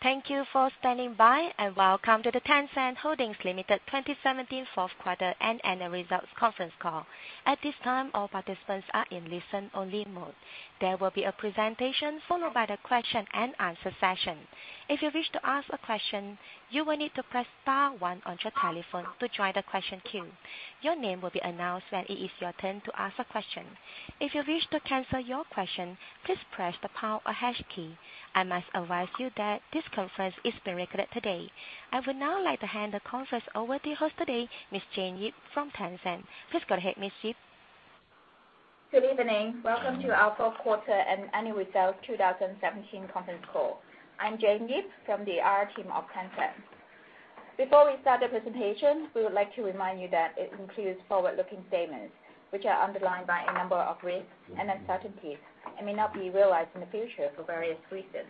Thank you for standing by, welcome to the Tencent Holdings Limited 2017 fourth quarter and annual results conference call. At this time, all participants are in listen-only mode. There will be a presentation followed by the question-and-answer session. If you wish to ask a question, you will need to press star one on your telephone to join the question queue. Your name will be announced when it is your turn to ask a question. If you wish to cancel your question, please press the pound or hash key. I must advise you that this conference is being recorded today. I would now like to hand the conference over to the host today, Ms. Jane Yip from Tencent. Please go ahead, Ms. Yip. Good evening. Welcome to our fourth quarter and annual results 2017 conference call. I'm Jane Yip from the IR team of Tencent. Before we start the presentation, we would like to remind you that it includes forward-looking statements, which are underlined by a number of risks and uncertainties, and may not be realized in the future for various reasons.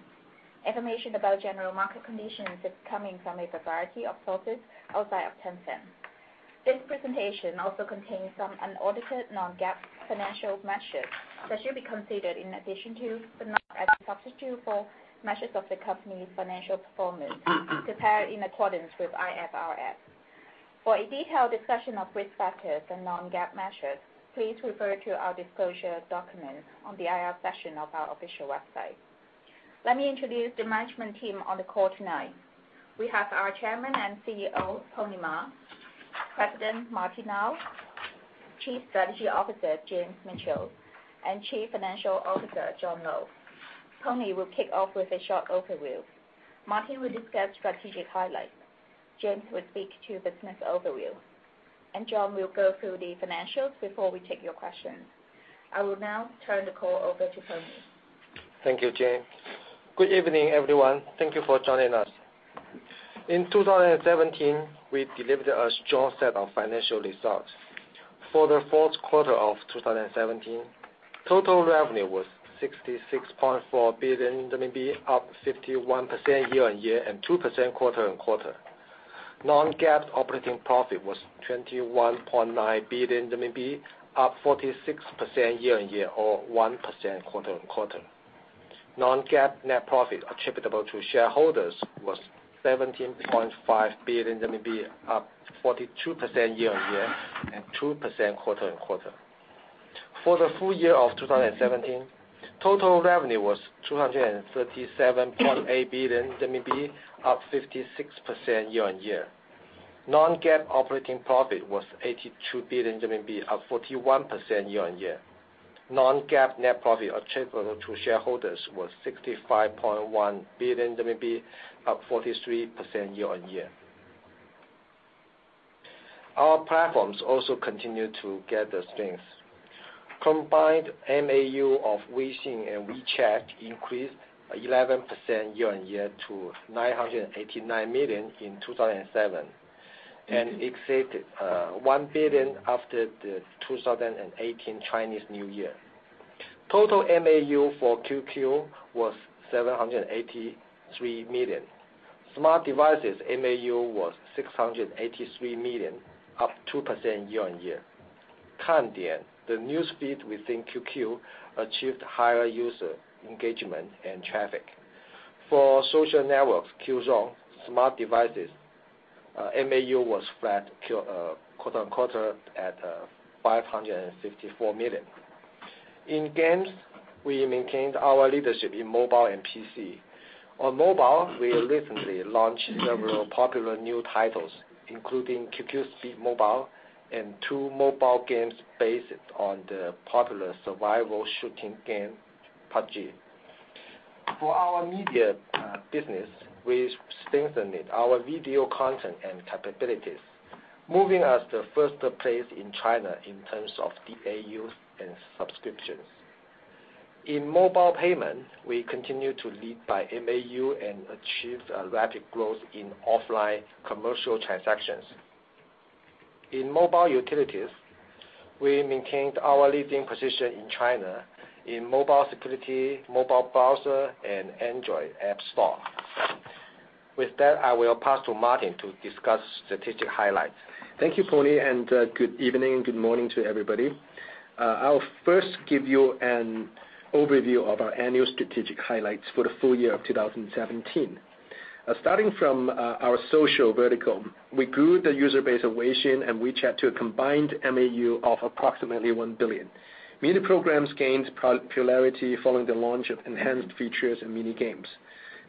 Information about general market conditions is coming from a variety of sources outside of Tencent. This presentation also contains some unaudited non-GAAP financial measures that should be considered in addition to, but not as a substitute for, measures of the company's financial performance prepared in accordance with IFRS. For a detailed discussion of risk factors and non-GAAP measures, please refer to our disclosure documents on the IR section of our official website. Let me introduce the management team on the call tonight. We have our Chairman and CEO, Pony Ma, President Martin Lau, Chief Strategy Officer James Mitchell, Chief Financial Officer John Lo. Pony will kick off with a short overview. Martin will discuss strategic highlights. James will speak to business overview. John will go through the financials before we take your questions. I will now turn the call over to Pony. Thank you, Jane. Good evening, everyone. Thank you for joining us. In 2017, we delivered a strong set of financial results. For the fourth quarter of 2017, total revenue was 66.4 billion, up 51% year-on-year and 2% quarter-on-quarter. Non-GAAP operating profit was 21.9 billion RMB, up 46% year-on-year or 1% quarter-on-quarter. Non-GAAP net profit attributable to shareholders was 17.5 billion RMB, up 42% year-on-year and 2% quarter-on-quarter. For the full year of 2017, total revenue was 237.8 billion RMB, up 56% year-on-year. Non-GAAP operating profit was 82 billion RMB, up 41% year-on-year. Non-GAAP net profit attributable to shareholders was 65.1 billion RMB, up 43% year-on-year. Our platforms also continued to gather strength. Combined MAU of Weixin and WeChat increased 11% year-on-year to 989 million in 2017, and exceeded 1 billion after the 2018 Chinese New Year. Total MAU for QQ was 783 million. Smart devices MAU was 683 million, up 2% year-on-year. Kandian, the newsfeed within QQ, achieved higher user engagement and traffic. For social networks, Qzone smart devices MAU was flat quarter-on-quarter at 554 million. In games, we maintained our leadership in mobile and PC. On mobile, we recently launched several popular new titles, including QQ Speed Mobile and two mobile games based on the popular survival shooting game PUBG. For our media business, we strengthened our video content and capabilities, moving us to first place in China in terms of DAUs and subscriptions. In mobile payment, we continued to lead by MAU and achieved rapid growth in offline commercial transactions. In mobile utilities, we maintained our leading position in China in mobile security, mobile browser, and Android app store. With that, I will pass to Martin to discuss strategic highlights. Thank you, Pony. Good evening, good morning to everybody. I'll first give you an overview of our annual strategic highlights for the full year of 2017. Starting from our social vertical, we grew the user base of Weixin and WeChat to a combined MAU of approximately 1 billion. Mini Programs gained popularity following the launch of enhanced features and mini games.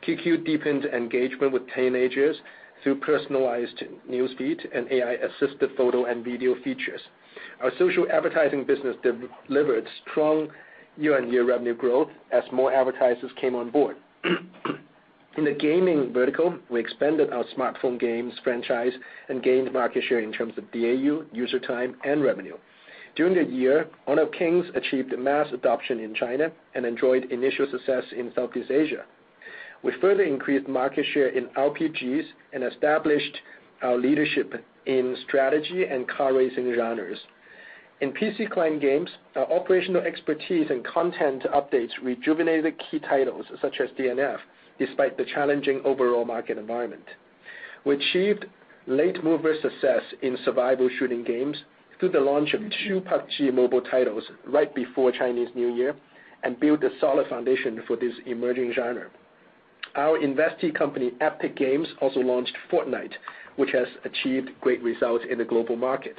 QQ deepened engagement with teenagers through personalized newsfeed and AI-assisted photo and video features. Our social advertising business delivered strong year-on-year revenue growth as more advertisers came on board. In the gaming vertical, we expanded our smartphone games franchise and gained market share in terms of DAU, user time, and revenue. During the year, Honor of Kings achieved mass adoption in China and enjoyed initial success in Southeast Asia. We further increased market share in RPGs and established our leadership in strategy and car racing genres. In PC client games, our operational expertise and content updates rejuvenated key titles such as DNF, despite the challenging overall market environment. We achieved late-mover success in survival shooting games through the launch of two PUBG mobile titles right before Chinese New Year and built a solid foundation for this emerging genre. Our investee company, Epic Games, also launched Fortnite, which has achieved great results in the global market.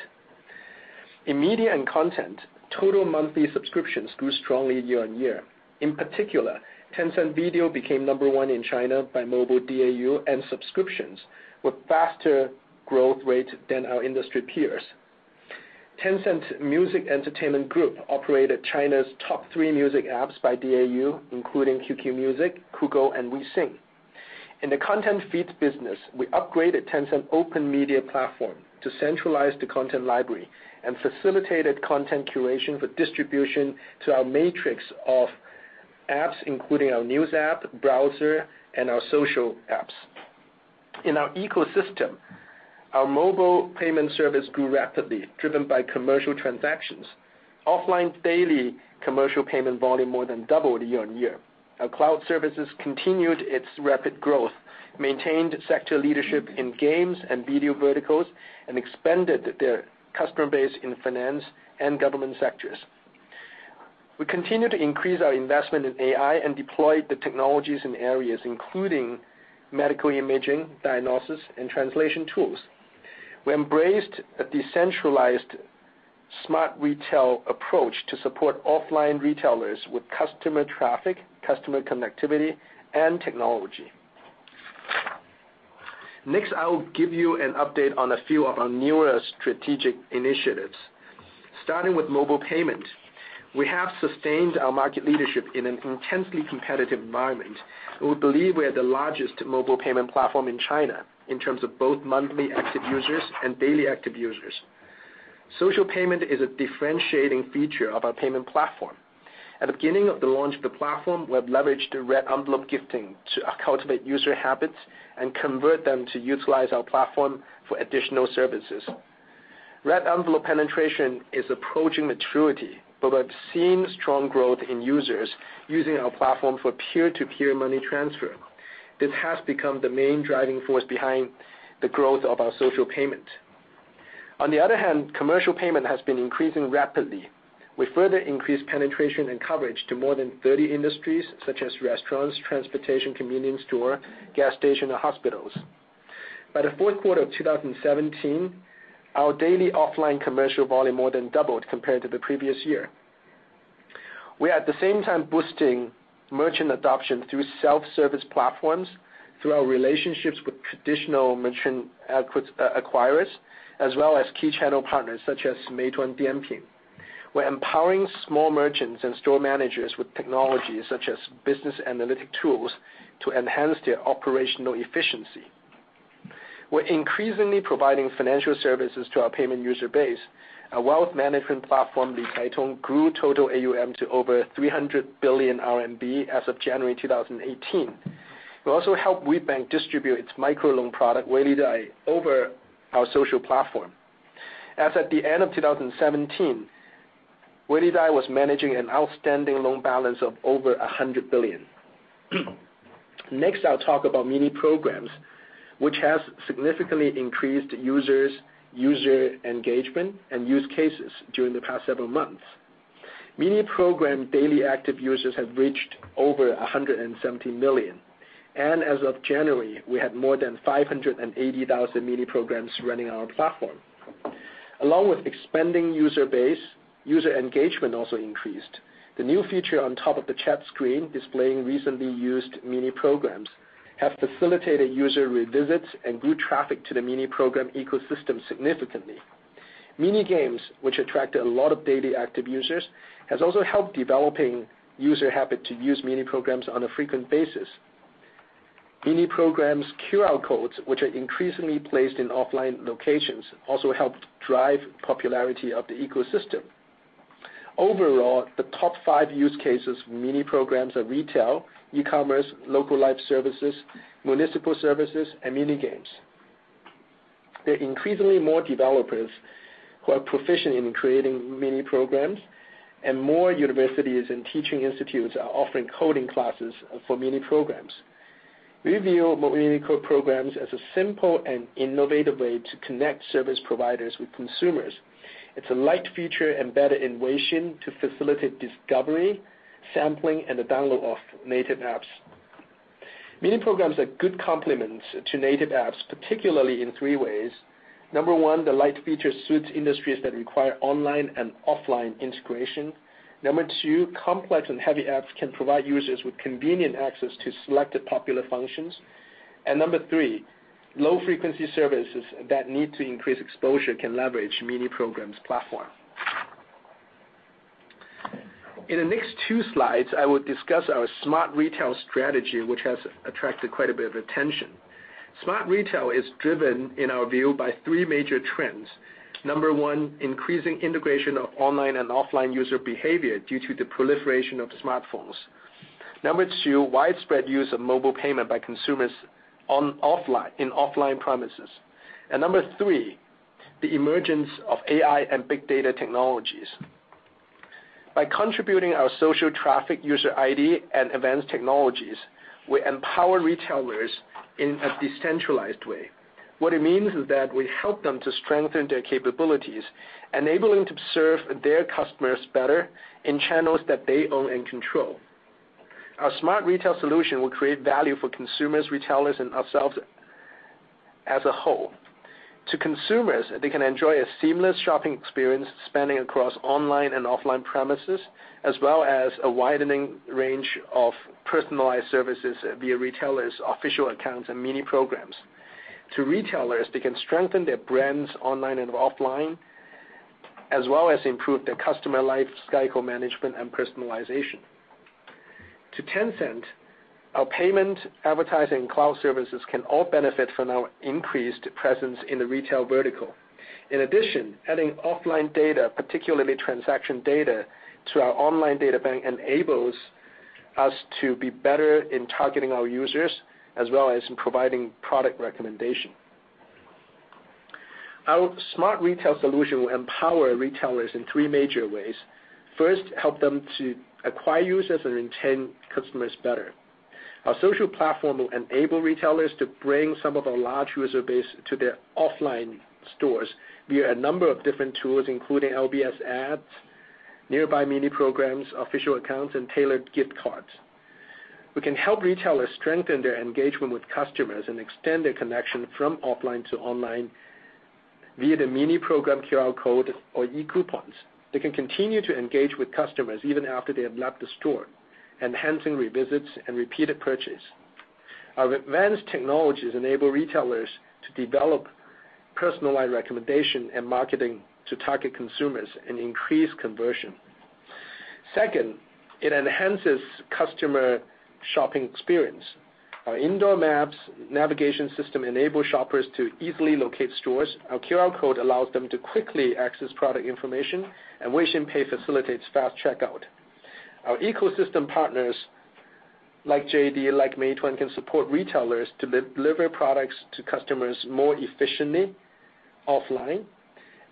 In media and content, total monthly subscriptions grew strongly year-on-year. In particular, Tencent Video became number one in China by mobile DAU, and subscriptions were faster growth rate than our industry peers. Tencent Music Entertainment Group operated China's top three music apps by DAU, including QQ Music, Kugou, and WeSing. In the content feeds business, we upgraded Tencent Open Media Platform to centralize the content library and facilitated content curation for distribution to our matrix of apps, including our news app, browser, and our social apps. In our ecosystem, our mobile payment service grew rapidly, driven by commercial transactions. Offline daily commercial payment volume more than doubled year-on-year. Our cloud services continued its rapid growth, maintained sector leadership in games and video verticals, and expanded their customer base in finance and government sectors. We continue to increase our investment in AI and deploy the technologies in areas including medical imaging, diagnosis, and translation tools. We embraced a decentralized smart retail approach to support offline retailers with customer traffic, customer connectivity, and technology. Next, I will give you an update on a few of our newer strategic initiatives. Starting with mobile payment. We have sustained our market leadership in an intensely competitive environment. We believe we are the largest mobile payment platform in China in terms of both monthly active users and daily active users. Social payment is a differentiating feature of our payment platform. At the beginning of the launch of the platform, we have leveraged the red envelope gifting to cultivate user habits and convert them to utilize our platform for additional services. Red envelope penetration is approaching maturity, but we have seen strong growth in users using our platform for peer-to-peer money transfer. This has become the main driving force behind the growth of our social payment. Commercial payment has been increasing rapidly. We further increased penetration and coverage to more than 30 industries, such as restaurants, transportation, convenience store, gas station, and hospitals. By the fourth quarter of 2017, our daily offline commercial volume more than doubled compared to the previous year. We are at the same time boosting merchant adoption through self-service platforms, through our relationships with traditional merchant acquirers, as well as key channel partners such as Meituan Dianping. We're empowering small merchants and store managers with technologies such as business analytic tools to enhance their operational efficiency. We're increasingly providing financial services to our payment user base. Our wealth management platform, LiCaiTong, grew total AUM to over 300 billion RMB as of January 2018. We also helped WeBank distribute its microloan product, Weilidai, over our social platform. As at the end of 2017, Weilidai was managing an outstanding loan balance of over 100 billion. I'll talk about Mini Programs, which has significantly increased users, user engagement, and use cases during the past several months. Mini Program daily active users have reached over 170 million. As of January, we had more than 580,000 Mini Programs running on our platform. Along with expanding user base, user engagement also increased. The new feature on top of the chat screen displaying recently used Mini Programs have facilitated user revisits and grew traffic to the Mini Program ecosystem significantly. Mini Games, which attract a lot of daily active users, has also helped developing user habit to use Mini Programs on a frequent basis. Mini Programs QR codes, which are increasingly placed in offline locations, also helped drive popularity of the ecosystem. The top five use cases for Mini Programs are retail, e-commerce, local life services, municipal services, and Mini Games. There are increasingly more developers who are proficient in creating Mini Programs, and more universities and teaching institutes are offering coding classes for Mini Programs. We view Mini Programs as a simple and innovative way to connect service providers with consumers. It's a light feature embedded in Weixin to facilitate discovery, sampling, and the download of native apps. Mini Programs are good complements to native apps, particularly in three ways. Number one, the light feature suits industries that require online and offline integration. Number two, complex and heavy apps can provide users with convenient access to selected popular functions. Number three, low-frequency services that need to increase exposure can leverage Mini Programs platform. In the next two slides, I will discuss our smart retail strategy, which has attracted quite a bit of attention. Smart retail is driven, in our view, by three major trends. Number one, increasing integration of online and offline user behavior due to the proliferation of smartphones. Number two, widespread use of mobile payment by consumers in offline premises. Number three, the emergence of AI and big data technologies. By contributing our social traffic user ID and advanced technologies, we empower retailers in a decentralized way. What it means is that we help them to strengthen their capabilities, enabling to serve their customers better in channels that they own and control. Our smart retail solution will create value for consumers, retailers, and ourselves as a whole. To consumers, they can enjoy a seamless shopping experience spanning across online and offline premises, as well as a widening range of personalized services via retailers' official accounts and Mini Programs. To retailers, they can strengthen their brands online and offline, as well as improve their customer life cycle management and personalization. To Tencent, our payment, advertising, and cloud services can all benefit from our increased presence in the retail vertical. In addition, adding offline data, particularly transaction data, to our online data bank enables us to be better in targeting our users, as well as in providing product recommendation. Our smart retail solution will empower retailers in three major ways. First, help them to acquire users and retain customers better. Our social platform will enable retailers to bring some of our large user base to their offline stores via a number of different tools, including LBS ads, nearby Mini Programs, official accounts, and tailored gift cards. We can help retailers strengthen their engagement with customers and extend their connection from offline to online via the Mini Program QR code or e-coupons. They can continue to engage with customers even after they have left the store, enhancing revisits and repeated purchase. Our advanced technologies enable retailers to develop personalized recommendation and marketing to target consumers and increase conversion. Second, it enhances customer shopping experience. Our indoor maps navigation system enables shoppers to easily locate stores, our QR code allows them to quickly access product information, and Weixin Pay facilitates fast checkout. Our ecosystem partners like JD, like Meituan, can support retailers to deliver products to customers more efficiently offline,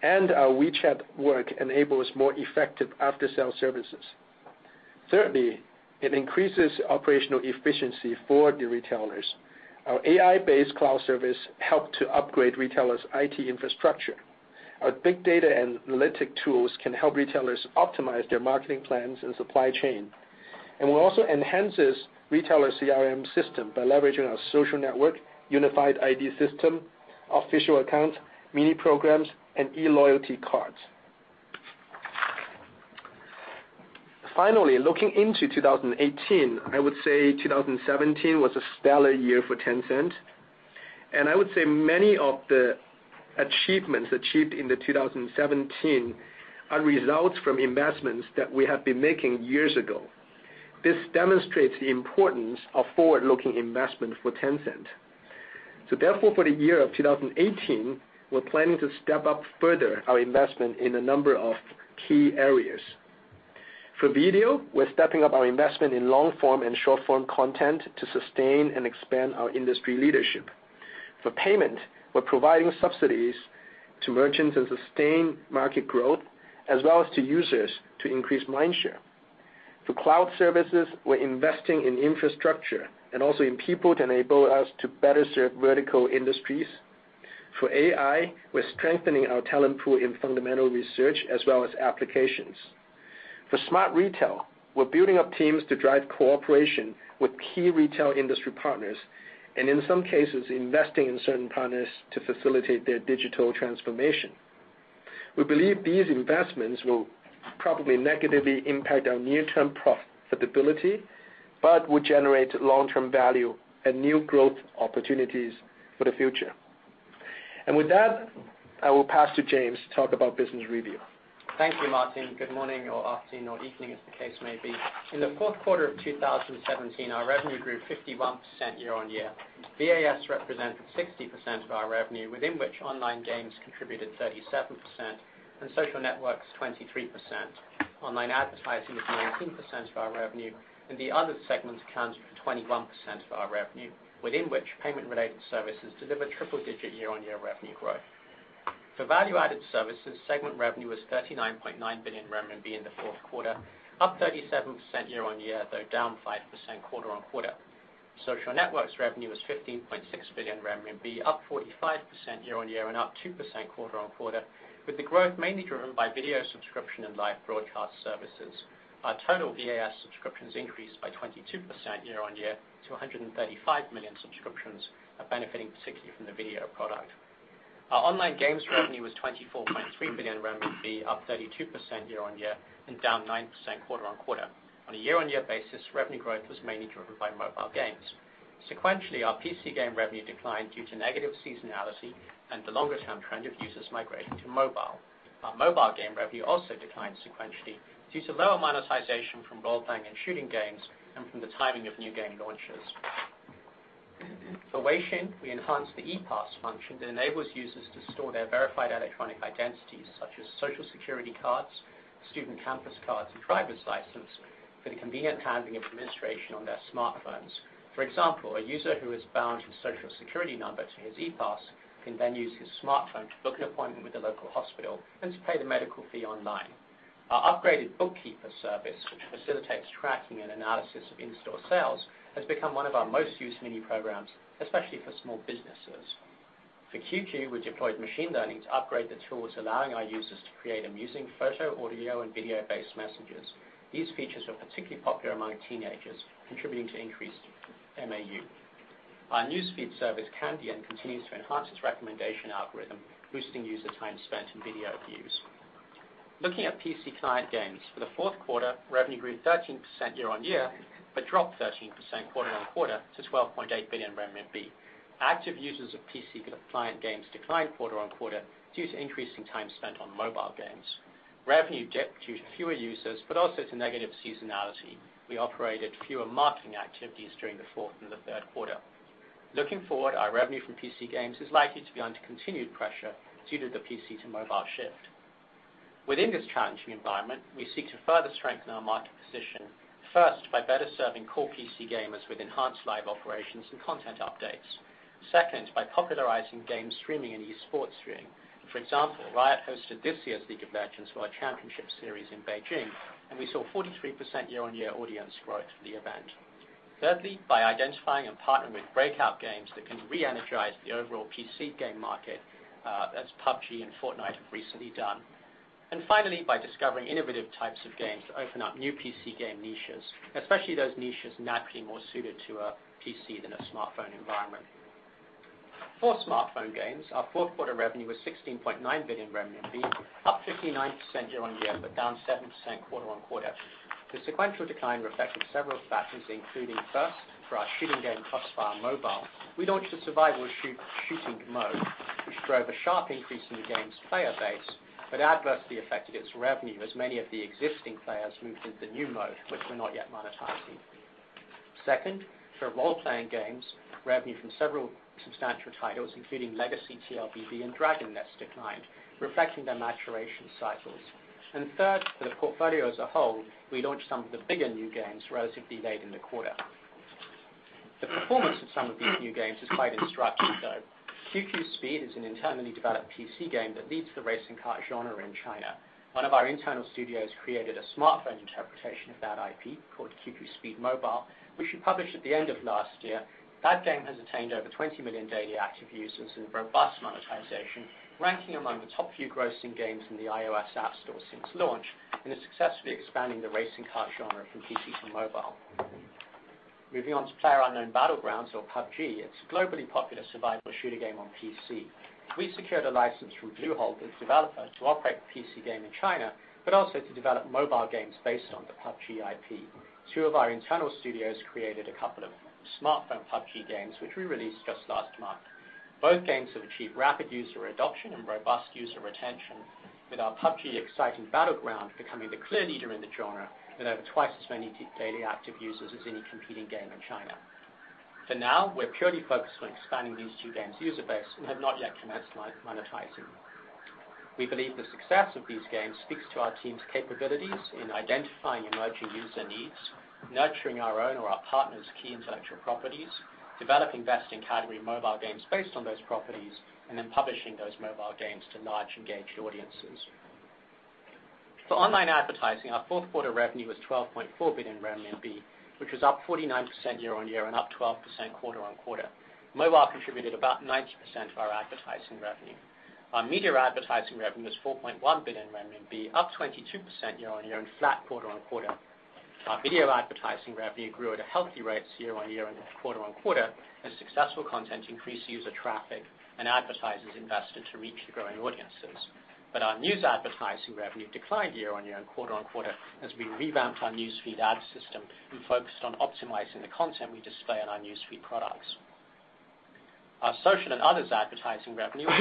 and our WeChat Work enables more effective after-sale services. Thirdly, it increases operational efficiency for the retailers. Our AI-based cloud service help to upgrade retailers' IT infrastructure. Our big data analytic tools can help retailers optimize their marketing plans and supply chain, and will also enhances retailer CRM system by leveraging our social network, unified ID system, official accounts, Mini Programs, and e-loyalty cards. Finally, looking into 2018, I would say 2017 was a stellar year for Tencent, and I would say many of the achievements achieved in 2017 are results from investments that we have been making years ago. This demonstrates the importance of forward-looking investment for Tencent. Therefore, for the year of 2018, we're planning to step up further our investment in a number of key areas. For video, we're stepping up our investment in long-form and short-form content to sustain and expand our industry leadership. For payment, we're providing subsidies to merchants and sustain market growth, as well as to users to increase mind share. For cloud services, we're investing in infrastructure and also in people to enable us to better serve vertical industries. For AI, we're strengthening our talent pool in fundamental research as well as applications. For smart retail, we're building up teams to drive cooperation with key retail industry partners, in some cases, investing in certain partners to facilitate their digital transformation. We believe these investments will probably negatively impact our near-term profitability, but will generate long-term value and new growth opportunities for the future. With that, I will pass to James to talk about business review. Thank you, Martin. Good morning or afternoon or evening, as the case may be. In the fourth quarter of 2017, our revenue grew 51% year-on-year. VAS represented 60% of our revenue, within which online games contributed 37% and social networks 23%. Online advertising was 19% of our revenue. The other segment accounts for 21% of our revenue, within which payment-related services delivered triple-digit year-on-year revenue growth. For value-added services, segment revenue was 39.9 billion RMB in the fourth quarter, up 37% year-on-year, though down 5% quarter-on-quarter. Social networks revenue was 15.6 billion RMB, up 45% year-on-year and up 2% quarter-on-quarter, with the growth mainly driven by video subscription and live broadcast services. Our total VAS subscriptions increased by 22% year-on-year to 135 million subscriptions, benefiting particularly from the video product. Our online games revenue was 24.3 billion RMB, up 32% year-on-year and down 9% quarter-on-quarter. On a year-on-year basis, revenue growth was mainly driven by mobile games. Sequentially, our PC game revenue declined due to negative seasonality and the longer-term trend of users migrating to mobile. Our mobile game revenue also declined sequentially due to lower monetization from role-playing and shooting games and from the timing of new game launches. For Weixin, we enhanced the ePass function that enables users to store their verified electronic identities, such as Social Security cards, student campus cards, and driver's license, for the convenient handling of administration on their smartphones. For example, a user who has bound his Social Security number to his ePass can then use his smartphone to book an appointment with the local hospital and to pay the medical fee online. Our upgraded Bookkeeper service, which facilitates tracking and analysis of in-store sales, has become one of our most used Mini Programs, especially for small businesses. For QQ, we deployed machine learning to upgrade the tools, allowing our users to create amusing photo, audio, and video-based messages. These features were particularly popular among teenagers, contributing to increased MAU. Our news feed service, Kandian, continues to enhance its recommendation algorithm, boosting user time spent in video views. Looking at PC client games, for the fourth quarter, revenue grew 13% year-on-year, dropped 13% quarter-on-quarter to 12.8 billion RMB. Active users of PC client games declined quarter-on-quarter due to increasing time spent on mobile games. Revenue dipped due to fewer users, also to negative seasonality. We operated fewer marketing activities during the fourth and third quarter. Looking forward, our revenue from PC games is likely to be under continued pressure due to the PC-to-mobile shift. Within this challenging environment, we seek to further strengthen our market position. First, by better serving core PC gamers with enhanced live operations and content updates. Second, by popularizing game streaming and esports streaming. For example, Riot hosted this year's League of Legends World Championship series in Beijing, we saw 43% year-on-year audience growth for the event. Thirdly, by identifying and partnering with breakout games that can reenergize the overall PC game market as PUBG and Fortnite have recently done. Finally, by discovering innovative types of games to open up new PC game niches, especially those niches naturally more suited to a PC than a smartphone environment. For smartphone games, our fourth quarter revenue was 16.9 billion, up 59% year-on-year, but down 7% quarter-on-quarter. The sequential decline reflected several factors, including first, for our shooting game, CrossFire Mobile, we launched a survival shooting mode, which drove a sharp increase in the game's player base, but adversely affected its revenue as many of the existing players moved into the new mode, which we're not yet monetizing. Second, for role-playing games, revenue from several substantial titles, including Legacy TLBB, and Dragon Nest declined, reflecting their maturation cycles. Third, for the portfolio as a whole, we launched some of the bigger new games relatively late in the quarter. The performance of some of these new games is quite instructive, though. QQ Speed is an internally developed PC game that leads the racing car genre in China. One of our internal studios created a smartphone interpretation of that IP called QQ Speed Mobile, which we published at the end of last year. That game has attained over 20 million daily active users and robust monetization, ranking among the top few grossing games in the iOS App Store since launch, and is successfully expanding the racing car genre from PC to mobile. Moving on to PlayerUnknown's Battlegrounds, or PUBG, it's a globally popular survival shooter game on PC. We secured a license from Bluehole, its developer, to operate the PC game in China, but also to develop mobile games based on the PUBG IP. Two of our internal studios created a couple of smartphone PUBG games, which we released just last month. Both games have achieved rapid user adoption and robust user retention with our PUBG: Exhilarating Battlefield becoming the clear leader in the genre with over twice as many daily active users as any competing game in China. For now, we're purely focused on expanding these two games' user base and have not yet commenced monetizing. We believe the success of these games speaks to our team's capabilities in identifying emerging user needs, nurturing our own or our partners' key intellectual properties, developing best-in-category mobile games based on those properties, and then publishing those mobile games to large engaged audiences. For online advertising, our fourth quarter revenue was 12.4 billion RMB, which was up 49% year-on-year and up 12% quarter-on-quarter. Mobile contributed about 90% of our advertising revenue. Our media advertising revenue was 4.1 billion RMB, up 22% year-on-year, and flat quarter-on-quarter. Our video advertising revenue grew at healthy rates year-on-year and quarter-on-quarter as successful content increased user traffic and advertisers invested to reach the growing audiences. Our news advertising revenue declined year-on-year and quarter-on-quarter as we revamped our newsfeed ad system and focused on optimizing the content we display on our newsfeed products. Our social and others advertising revenue was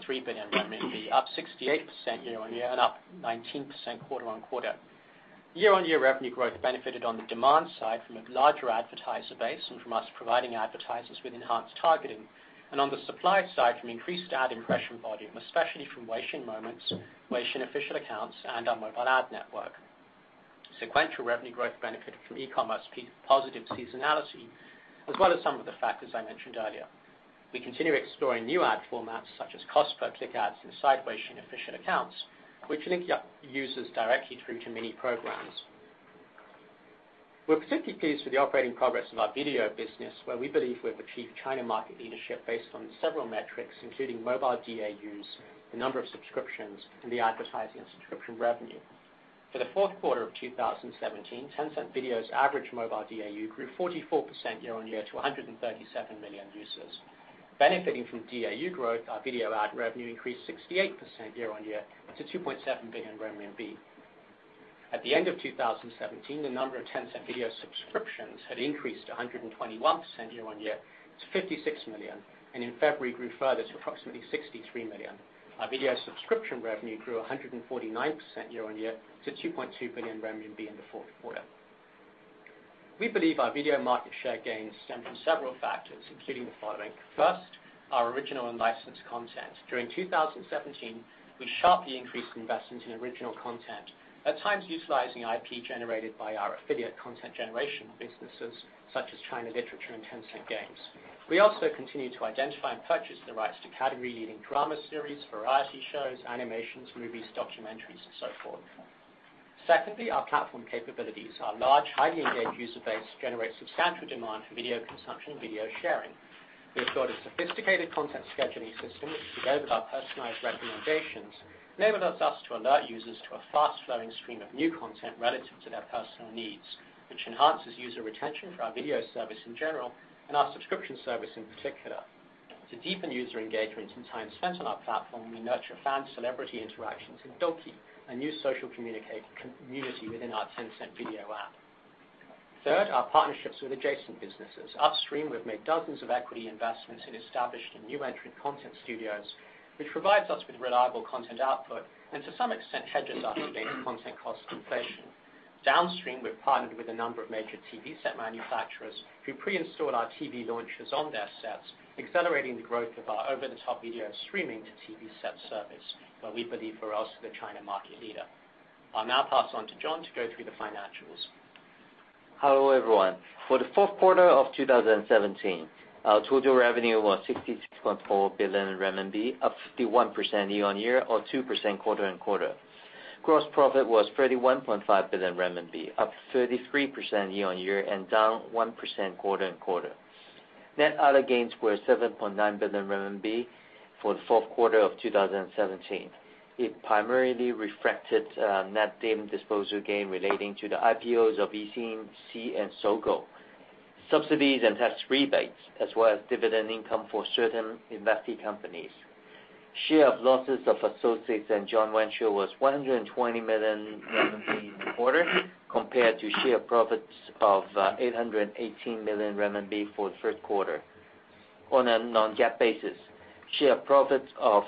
8.3 billion renminbi, up 68% year-on-year and up 19% quarter-on-quarter. Year-on-year revenue growth benefited on the demand side from a larger advertiser base and from us providing advertisers with enhanced targeting, and on the supply side from increased ad impression volume, especially from WeChat Moments, WeChat official accounts, and our mobile ad network. Sequential revenue growth benefited from e-commerce positive seasonality, as well as some of the factors I mentioned earlier. We continue exploring new ad formats such as cost-per-click ads inside WeChat official accounts, which link users directly through to Mini Programs. We're particularly pleased with the operating progress of our video business, where we believe we've achieved China market leadership based on several metrics, including mobile DAUs, the number of subscriptions, and the advertising and subscription revenue. For the fourth quarter of 2017, Tencent Video's average mobile DAU grew 44% year-on-year to 137 million users. Benefiting from DAU growth, our video ad revenue increased 68% year-on-year to 2.7 billion renminbi. At the end of 2017, the number of Tencent Video subscriptions had increased 121% year-on-year to 56 million, and in February grew further to approximately 63 million. Our video subscription revenue grew 149% year-on-year to 2.2 billion RMB in the fourth quarter. We believe our video market share gains stem from several factors, including the following. First, our original and licensed content. During 2017, we sharply increased investment in original content, at times utilizing IP generated by our affiliate content generation businesses such as China Literature and Tencent Games. We also continue to identify and purchase the rights to category-leading drama series, variety shows, animations, movies, documentaries and so forth. Secondly, our platform capabilities. Our large, highly engaged user base generates substantial demand for video consumption and video sharing. We have built a sophisticated content scheduling system, which, together with our personalized recommendations, enables us to alert users to a fast-flowing stream of new content relative to their personal needs, which enhances user retention for our video service in general and our subscription service in particular. To deepen user engagement and time spent on our platform, we nurture fan-celebrity interactions in Doki, a new social community within our Tencent Video app. Third, our partnerships with adjacent businesses. Upstream, we've made dozens of equity investments in established and new-entry content studios, which provides us with reliable content output and, to some extent, hedges us against content cost inflation. Downstream, we've partnered with a number of major TV set manufacturers who pre-install our TV launchers on their sets, accelerating the growth of our over-the-top video and streaming to TV set service, where we believe we're also the China market leader. I'll now pass on to John to go through the financials. Hello, everyone. For the fourth quarter of 2017, our total revenue was 66.4 billion RMB, up 51% year-on-year or 2% quarter-on-quarter. Gross profit was 31.5 billion RMB, up 33% year-on-year and down 1% quarter-on-quarter. Net other gains were 7.9 billion RMB for the fourth quarter of 2017. It primarily reflected net dealing disposal gain relating to the IPOs of Yixin Group, Sea Limited, and Sogou, subsidies and tax rebates, as well as dividend income for certain investee companies. Share of losses of associates and joint venture was 120 million in the quarter, compared to share profits of 818 million renminbi for the third quarter. On a non-GAAP basis, share of profits of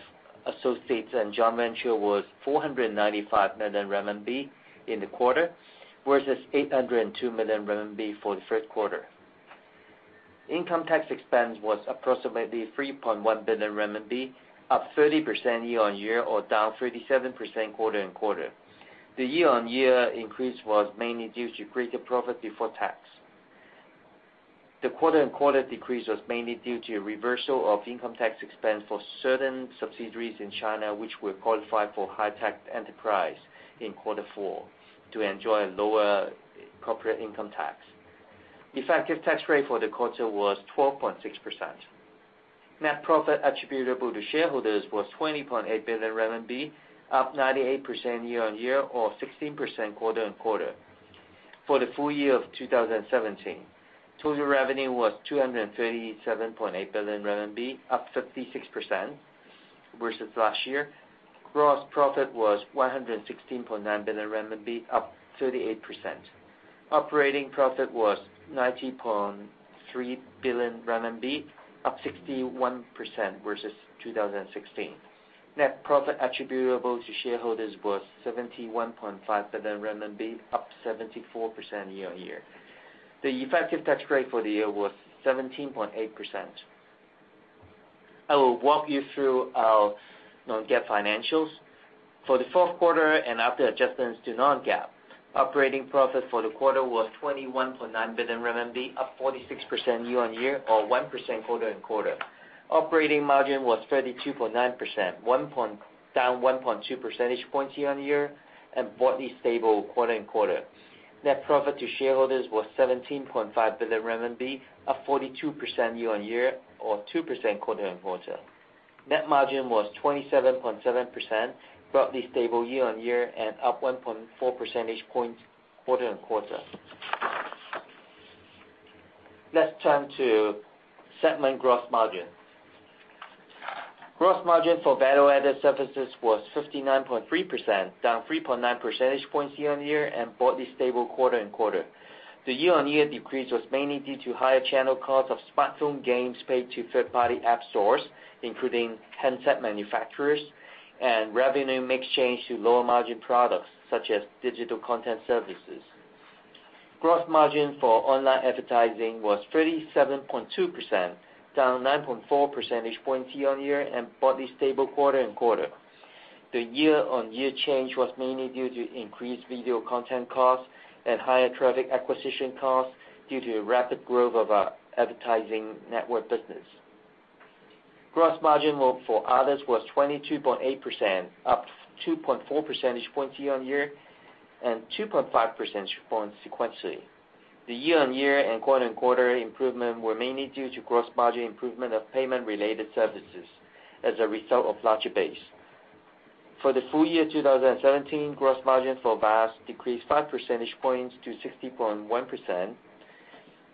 associates and joint venture was 495 million RMB in the quarter, versus 802 million RMB for the third quarter. Income tax expense was approximately 3.1 billion RMB, up 30% year-on-year or down 37% quarter-on-quarter. The year-on-year increase was mainly due to greater profit before tax. The quarter-on-quarter decrease was mainly due to a reversal of income tax expense for certain subsidiaries in China, which were qualified for high-tech enterprise in quarter four to enjoy lower corporate income tax. Effective tax rate for the quarter was 12.6%. Net profit attributable to shareholders was 20.8 billion RMB, up 98% year-on-year or 16% quarter-on-quarter. For the full year of 2017, total revenue was 237.8 billion RMB, up 56% versus last year. Gross profit was 116.9 billion RMB, up 38%. Operating profit was 90.3 billion RMB, up 61% versus 2016. Net profit attributable to shareholders was 71.5 billion renminbi, up 74% year-on-year. The effective tax rate for the year was 17.8%. I will walk you through our non-GAAP financials. For the fourth quarter and after adjustments to non-GAAP, operating profit for the quarter was 21.9 billion RMB, up 46% year-on-year or 1% quarter-on-quarter. Operating margin was 32.9%, down 1.2 percentage points year-on-year and broadly stable quarter-on-quarter. Net profit to shareholders was 17.5 billion RMB, up 42% year-on-year or 2% quarter-on-quarter. Net margin was 27.7%, broadly stable year-on-year and up 1.4 percentage points quarter-on-quarter. Let's turn to segment gross margin. Gross margin for value-added services was 59.3%, down 3.9 percentage points year-on-year and broadly stable quarter-on-quarter. The year-on-year decrease was mainly due to higher channel costs of smartphone games paid to third-party app stores, including handset manufacturers and revenue mix change to lower margin products, such as digital content services. Gross margin for online advertising was 37.2%, down 9.4 percentage points year-on-year and broadly stable quarter-on-quarter. The year-on-year change was mainly due to increased video content costs and higher traffic acquisition costs due to the rapid growth of our advertising network business. Gross margin for others was 22.8%, up 2.4 percentage points year-on-year and 2.5 percentage points sequentially. The year-on-year and quarter-on-quarter improvement were mainly due to gross margin improvement of payment-related services as a result of larger base. For the full year 2017, gross margin for VAS decreased 5 percentage points to 60.1%.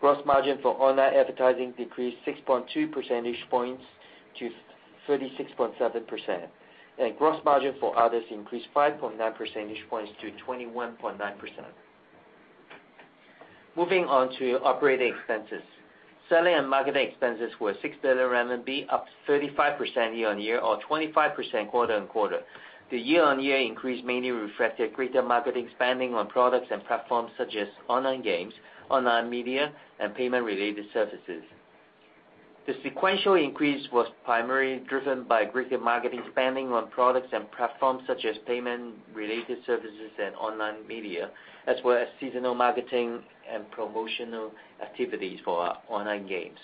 Gross margin for online advertising decreased 6.2 percentage points to 36.7%, and gross margin for others increased 5.9 percentage points to 21.9%. Moving on to operating expenses. Selling and marketing expenses were 6 billion RMB, up 35% year-on-year or 25% quarter-on-quarter. The year-on-year increase mainly reflected greater marketing spending on products and platforms such as online games, online media, and payment-related services. The sequential increase was primarily driven by greater marketing spending on products and platforms such as payment-related services and online media, as well as seasonal marketing and promotional activities for our online games.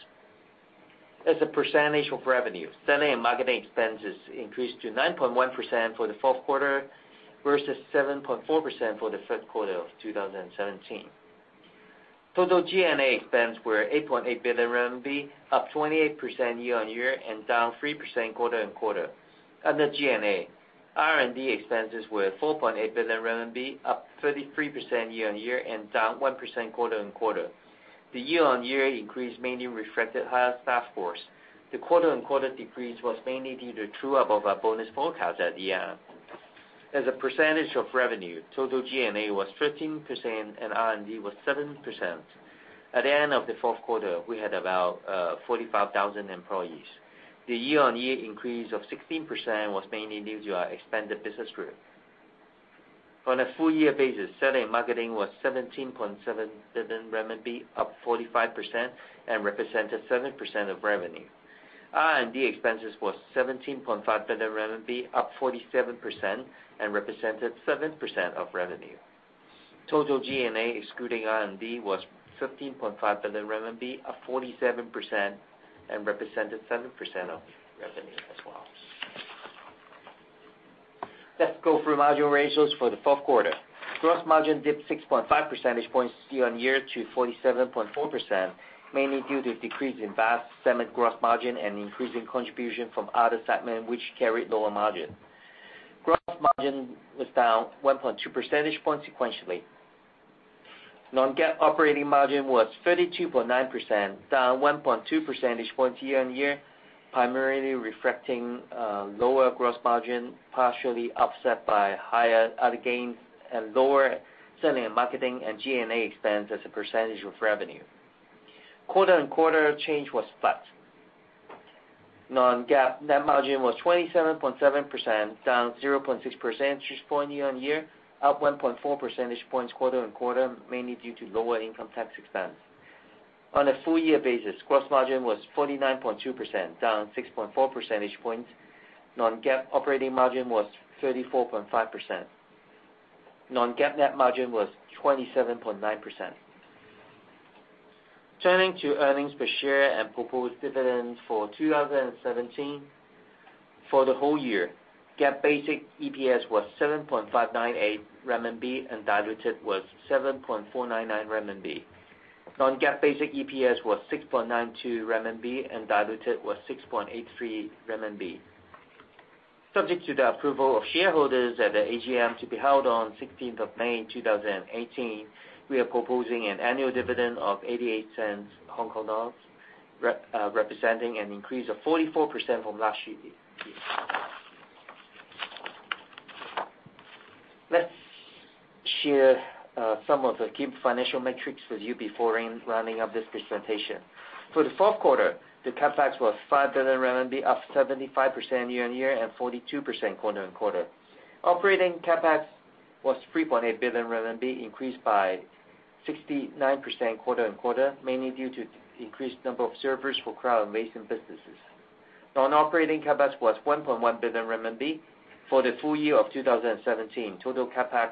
As a percentage of revenue, selling and marketing expenses increased to 9.1% for the fourth quarter versus 7.4% for the third quarter of 2017. Total G&A expense were 8.8 billion RMB, up 28% year-on-year and down 3% quarter-on-quarter. Under G&A, R&D expenses were 4.8 billion RMB, up 33% year-on-year and down 1% quarter-on-quarter. The year-on-year increase mainly reflected higher staff force. The quarter-on-quarter decrease was mainly due to true-up of our bonus forecast at the end. As a percentage of revenue, total G&A was 15% and R&D was 7%. At the end of the fourth quarter, we had about 45,000 employees. The year-on-year increase of 16% was mainly due to our expanded business group. On a full year basis, selling and marketing was 17.7 billion RMB, up 45% and represented 7% of revenue. R&D expenses was 17.5 billion RMB, up 47% and represented 7% of revenue. Total G&A excluding R&D was 15.5 billion RMB, up 47% and represented 7% of revenue as well. Let's go through margin ratios for the fourth quarter. Gross margin dipped 6.5 percentage points year-on-year to 47.4%, mainly due to a decrease in BaaS segment gross margin and increase in contribution from other segment, which carried lower margin. Gross margin was down 1.2 percentage points sequentially. Non-GAAP operating margin was 32.9%, down 1.2 percentage points year-on-year, primarily reflecting lower gross margin, partially offset by higher other gains and lower selling and marketing and G&A expense as a percentage of revenue. Quarter-on-quarter change was flat. Non-GAAP net margin was 27.7%, down 0.6 percentage point year-on-year, up 1.4 percentage points quarter-on-quarter, mainly due to lower income tax expense. On a full year basis, gross margin was 49.2%, down 6.4 percentage points. Non-GAAP operating margin was 34.5%. Non-GAAP net margin was 27.9%. Turning to earnings per share and proposed dividends for 2017. For the whole year, GAAP basic EPS was 7.598 RMB and diluted was 7.499 RMB. Non-GAAP basic EPS was 6.92 RMB and diluted was 6.83 RMB. Subject to the approval of shareholders at the AGM to be held on 16th of May 2018, we are proposing an annual dividend of 0.88, representing an increase of 44% from last year. Let's share some of the key financial metrics with you before ending running of this presentation. For the fourth quarter, the CapEx was 5 billion RMB, up 75% year-on-year and 42% quarter-on-quarter. Operating CapEx was 3.8 billion RMB, increased by 69% quarter-on-quarter, mainly due to increased number of servers for cloud and basic businesses. Non-operating CapEx was 1.1 billion RMB. For the full year of 2017, total CapEx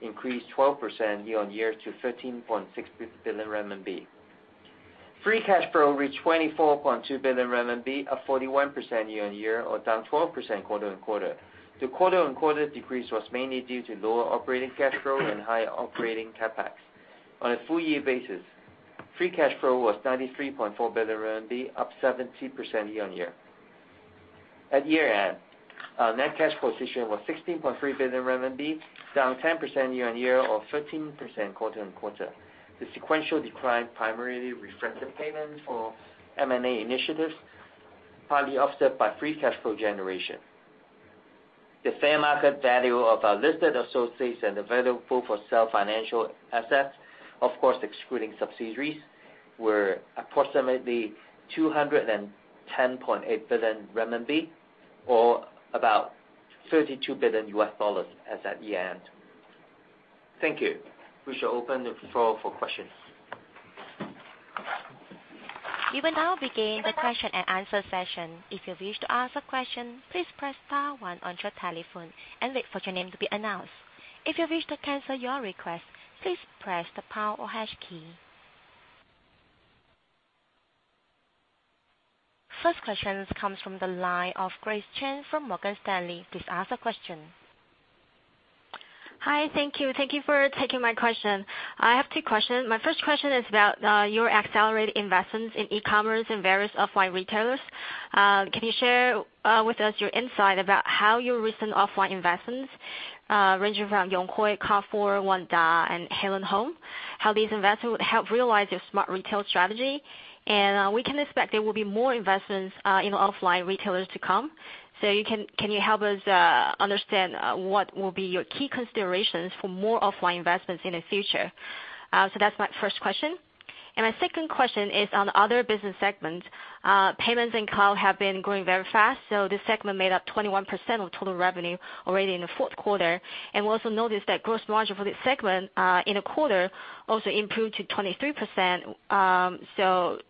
increased 12% year-on-year to 13.6 billion RMB. Free cash flow reached 24.2 billion RMB, up 41% year-on-year or down 12% quarter-on-quarter. The quarter-on-quarter decrease was mainly due to lower operating cash flow and higher operating CapEx. On a full year basis, free cash flow was 93.4 billion RMB, up 70% year-on-year. At year-end, our net cash position was 16.3 billion RMB, down 10% year-on-year or 13% quarter-on-quarter. The sequential decline primarily reflected payment for M&A initiatives, partly offset by free cash flow generation. The fair market value of our listed associates and available-for-sale financial assets, of course excluding subsidiaries, were approximately 210.8 billion RMB or about $32 billion as at year-end. Thank you. We shall open the floor for questions. We will now begin the question and answer session. If you wish to ask a question, please press star one on your telephone and wait for your name to be announced. If you wish to cancel your request, please press the pound or hash key. First question comes from the line of Grace Chen from Morgan Stanley. Please ask a question. Hi, thank you. Thank you for taking my question. I have two questions. My first question is about your accelerated investments in e-commerce and various offline retailers. Can you share with us your insight about how your recent offline investments, ranging from Yonghui, Carrefour, Wanda and Hailan Home, how these investments would help realize your smart retail strategy? We can expect there will be more investments in offline retailers to come, can you help us understand what will be your key considerations for more offline investments in the future? That's my first question, my second question is on other business segments. Payments and cloud have been growing very fast, this segment made up 21% of total revenue already in the fourth quarter. We also noticed that gross margin for this segment, in a quarter, also improved to 23%,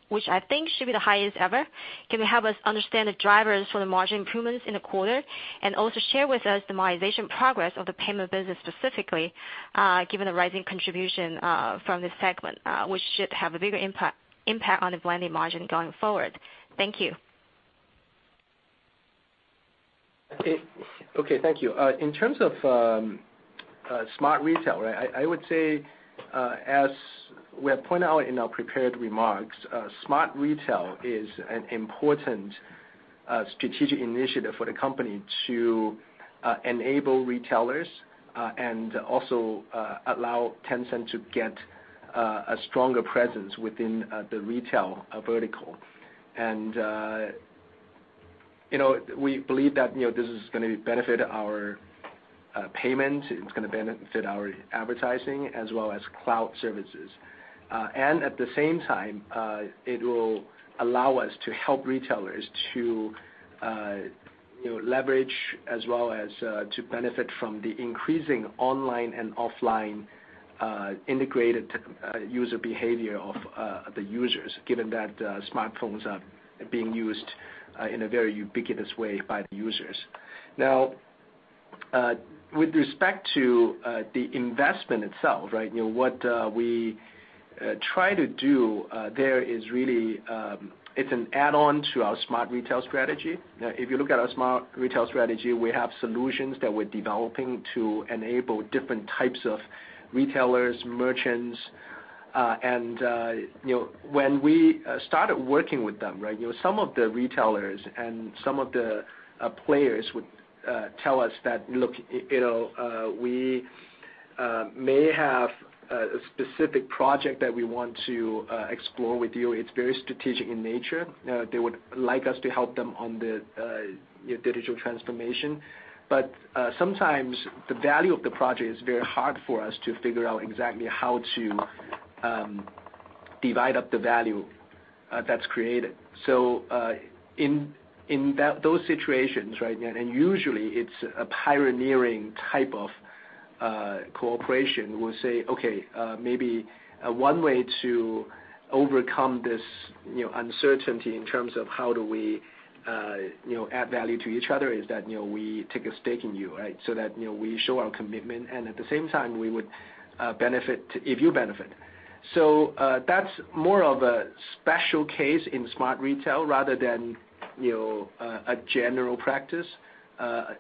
which I think should be the highest ever. Can you help us understand the drivers for the margin improvements in the quarter? Also share with us the monetization progress of the payment business specifically, given the rising contribution from this segment, which should have a bigger impact on the blended margin going forward. Thank you. Okay, thank you. In terms of Smart Retail, I would say, as we have pointed out in our prepared remarks, Smart Retail is an important strategic initiative for the company to enable retailers and also allow Tencent to get a stronger presence within the retail vertical. We believe that this is going to benefit our payment, it's going to benefit our advertising as well as cloud services. At the same time, it will allow us to help retailers to leverage as well as to benefit from the increasing online and offline integrated user behavior of the users, given that smartphones are being used in a very ubiquitous way by the users. Now, with respect to the investment itself, what we try to do there is really, it's an add-on to our Smart Retail strategy. If you look at our Smart Retail strategy, we have solutions that we're developing to enable different types of retailers, merchants. When we started working with them, some of the retailers and some of the players would tell us that, "Look, we may have a specific project that we want to explore with you. It's very strategic in nature." They would like us to help them on their digital transformation. Sometimes the value of the project is very hard for us to figure out exactly how to divide up the value that's created. In those situations, and usually it's a pioneering type of cooperation, we'll say, okay, maybe one way to overcome this uncertainty in terms of how do we add value to each other is that we take a stake in you, so that we show our commitment, and at the same time, we would benefit if you benefit. That's more of a special case in Smart Retail rather than a general practice.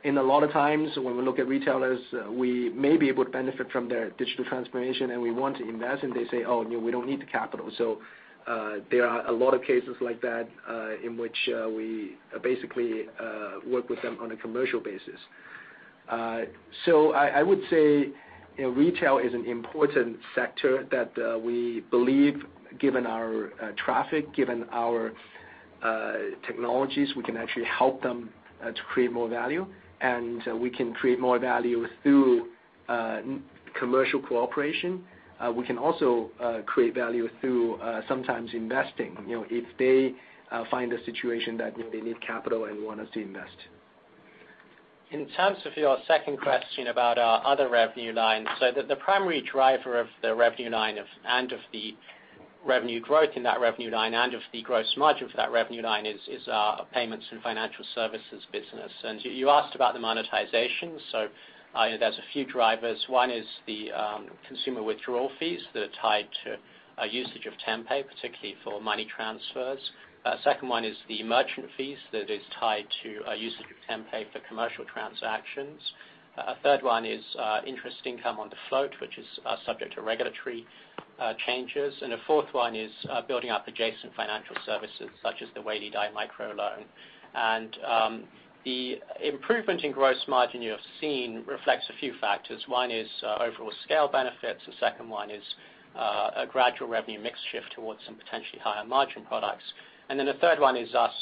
In a lot of times when we look at retailers, we may be able to benefit from their digital transformation and we want to invest, and they say, "Oh, we don't need the capital." There are a lot of cases like that, in which we basically work with them on a commercial basis. I would say, retail is an important sector that we believe, given our traffic, given our technologies, we can actually help them to create more value, and we can create more value through commercial cooperation. We can also create value through sometimes investing, if they find a situation that they need capital and want us to invest. In terms of your second question about our other revenue lines, The primary driver of the revenue line and of the revenue growth in that revenue line and of the gross margin for that revenue line is our payments and financial services business. You asked about the monetization, there's a few drivers. One is the consumer withdrawal fees that are tied to usage of Tenpay, particularly for money transfers. Second one is the merchant fees that is tied to usage of Tenpay for commercial transactions. Third one is interest income on the float, which is subject to regulatory changes. The fourth one is building up adjacent financial services, such as the Weilidai micro loan. The improvement in gross margin you have seen reflects a few factors. One is overall scale benefits. The second one is a gradual revenue mix shift towards some potentially higher margin products. The third one is us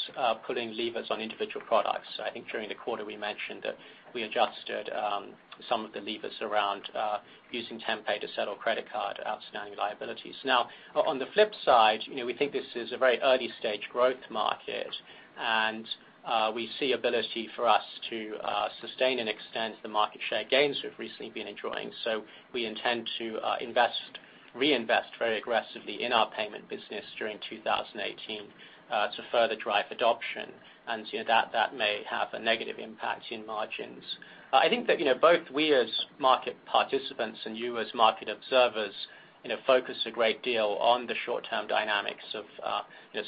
pulling levers on individual products. I think during the quarter, we mentioned that we adjusted some of the levers around using Tenpay to settle credit card outstanding liabilities. On the flip side, we think this is a very early-stage growth market, and we see ability for us to sustain and extend the market share gains we've recently been enjoying. We intend to reinvest very aggressively in our payment business during 2018 to further drive adoption. That may have a negative impact in margins. I think that both we as market participants and you as market observers focus a great deal on the short-term dynamics of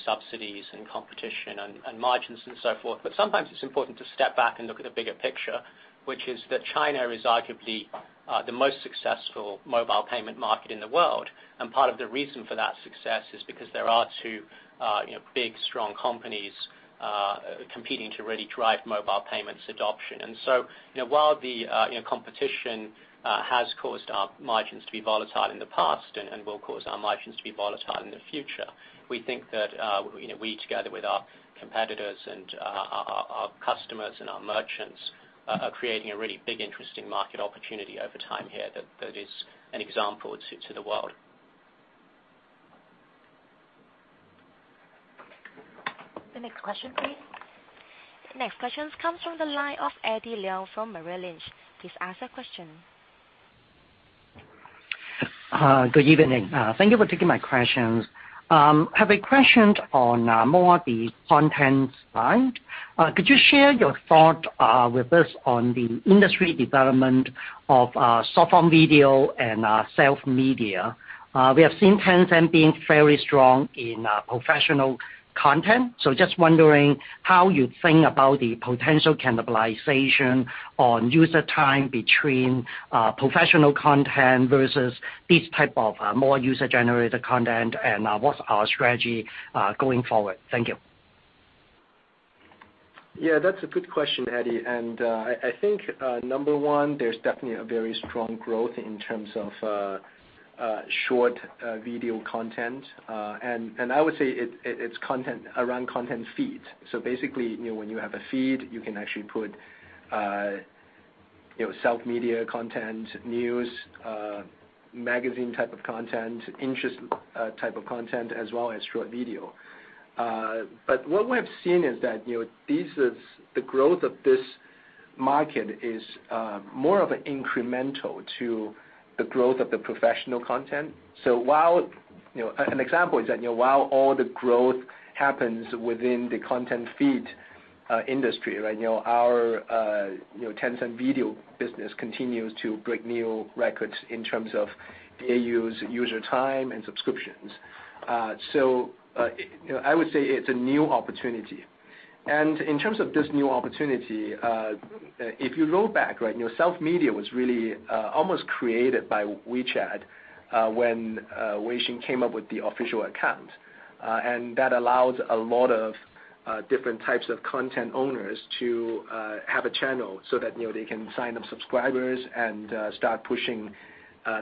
subsidies and competition and margins and so forth. Sometimes it's important to step back and look at the bigger picture, which is that China is arguably the most successful mobile payment market in the world. Part of the reason for that success is because there are two big, strong companies competing to really drive mobile payments adoption. While the competition has caused our margins to be volatile in the past and will cause our margins to be volatile in the future, we think that we, together with our competitors and our customers and our merchants, are creating a really big interesting market opportunity over time here that is an example to the world. The next question, please. The next question comes from the line of Eddie Leung from Merrill Lynch. Please ask your question. Good evening. Thank you for taking my questions. Have a question on more the content side. Could you share your thought with us on the industry development of short-form video and self-media? We have seen Tencent being very strong in professional content. Just wondering how you think about the potential cannibalization on user time between professional content versus this type of more user-generated content, what's our strategy going forward? Thank you. Yeah, that's a good question, Eddie. I think number one, there's definitely a very strong growth in terms of short video content. I would say it's around content feeds. Basically, when you have a feed, you can actually put self-media content, news, magazine type of content, interest type of content, as well as short video. What we have seen is that the growth of this market is more of an incremental to the growth of the professional content. An example is that while all the growth happens within the content feed industry, our Tencent Video business continues to break new records in terms of DAUs, user time, and subscriptions. I would say it's a new opportunity. In terms of this new opportunity, if you roll back, self-media was really almost created by WeChat when Weixin came up with the official account. That allowed a lot of different types of content owners to have a channel so that they can sign up subscribers and start pushing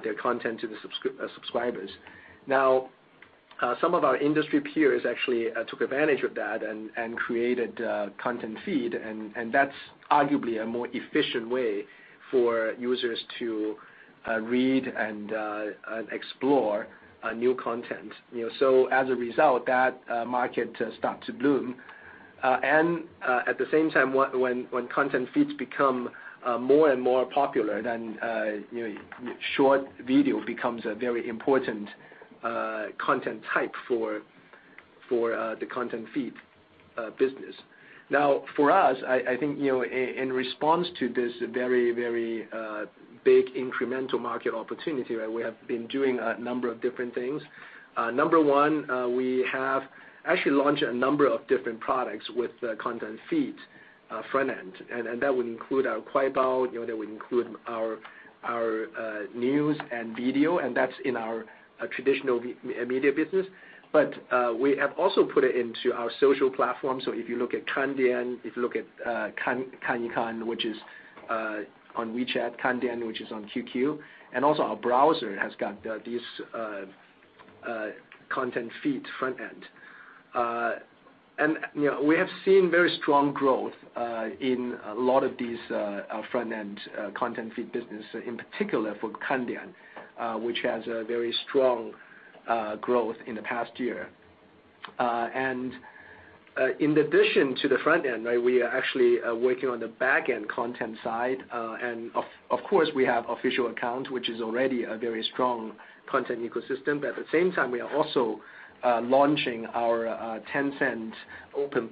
their content to the subscribers. Now, some of our industry peers actually took advantage of that and created content feed, that's arguably a more efficient way for users to read and explore new content. As a result, that market start to bloom. At the same time, when content feeds become more and more popular, short video becomes a very important content type for the content feed business. Now, for us, I think in response to this very big incremental market opportunity, we have been doing a number of different things. Number one, we have actually launched a number of different products with the content feed front end, and that would include our Kuaibao, that would include our news and video, and that's in our traditional media business. We have also put it into our social platform. If you look at Kandian, if you look at Kankan, which is on WeChat, Kandian, which is on QQ, and also our browser has got this content feed front end. We have seen very strong growth in a lot of these front-end content feed business, in particular for Kandian, which has a very strong growth in the past year. In addition to the front end, we are actually working on the back-end content side. Of course, we have official account, which is already a very strong content ecosystem. At the same time, we are also launching our Tencent Open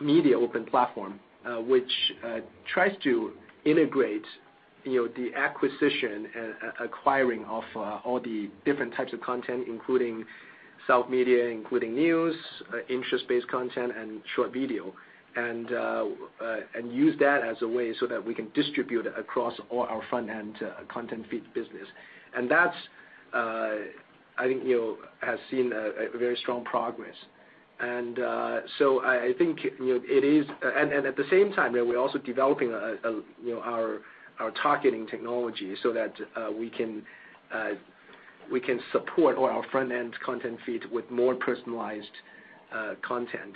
Media Platform, which tries to integrate the acquiring of all the different types of content, including self-media, including news, interest-based content, and short video, and use that as a way so that we can distribute across all our front-end content feed business. That I think has seen a very strong progress. At the same time, we're also developing our targeting technology so that we can support all our front-end content feeds with more personalized content.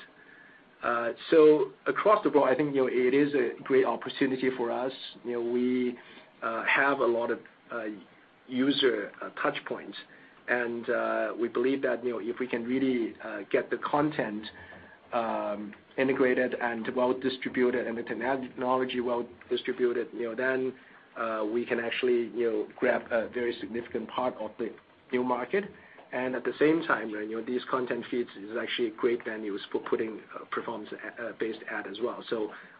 Across the board, I think it is a great opportunity for us. We have a lot of user touch points, and we believe that if we can really get the content integrated and well-distributed, and the technology well-distributed, then we can actually grab a very significant part of the new market. At the same time, these content feeds is actually a great venues for putting performance-based ad as well.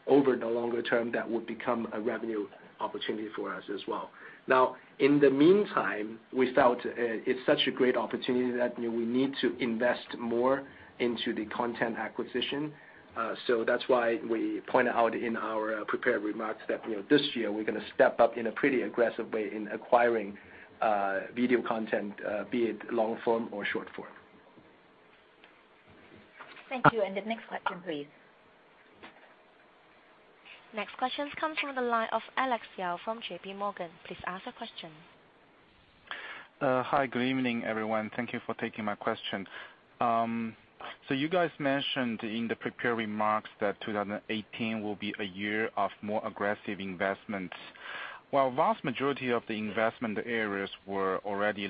Over the longer term, that would become a revenue opportunity for us as well. Now, in the meantime, we felt it's such a great opportunity that we need to invest more into the content acquisition. That's why we point out in our prepared remarks that this year we're gonna step up in a pretty aggressive way in acquiring video content, be it long-form or short-form. Thank you. The next question, please. Next question comes from the line of Alex Yao from J.P. Morgan. Please ask your question. Hi. Good evening, everyone. Thank you for taking my question. You guys mentioned in the prepared remarks that 2018 will be a year of more aggressive investments, while vast majority of the investment areas were already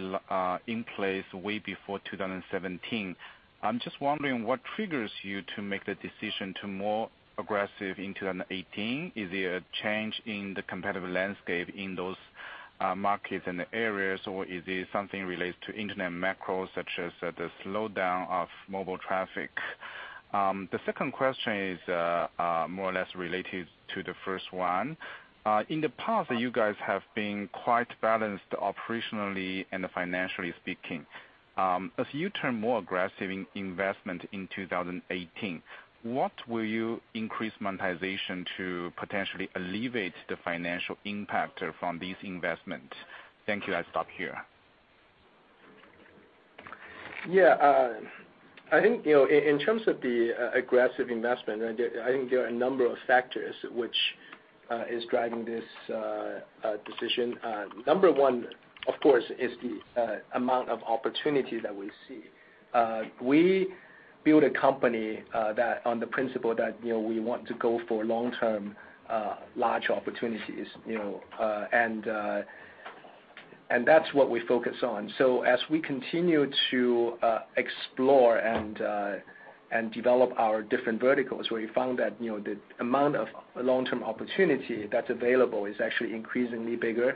in place way before 2017. I'm just wondering what triggers you to make the decision to more aggressive in 2018? Is it a change in the competitive landscape in those markets and the areas, or is it something related to internet macro, such as the slowdown of mobile traffic? The second question is more or less related to the first one. In the past, you guys have been quite balanced operationally and financially speaking. As you turn more aggressive in investment in 2018, what will you increase monetization to potentially alleviate the financial impact from this investment? Thank you. I stop here. Yeah. I think, in terms of the aggressive investment, there are a number of factors which is driving this decision. Number one, of course, is the amount of opportunity that we see. We build a company on the principle that we want to go for long-term, large opportunities, and that's what we focus on. As we continue to explore and develop our different verticals, we found that the amount of long-term opportunity that's available is actually increasingly bigger.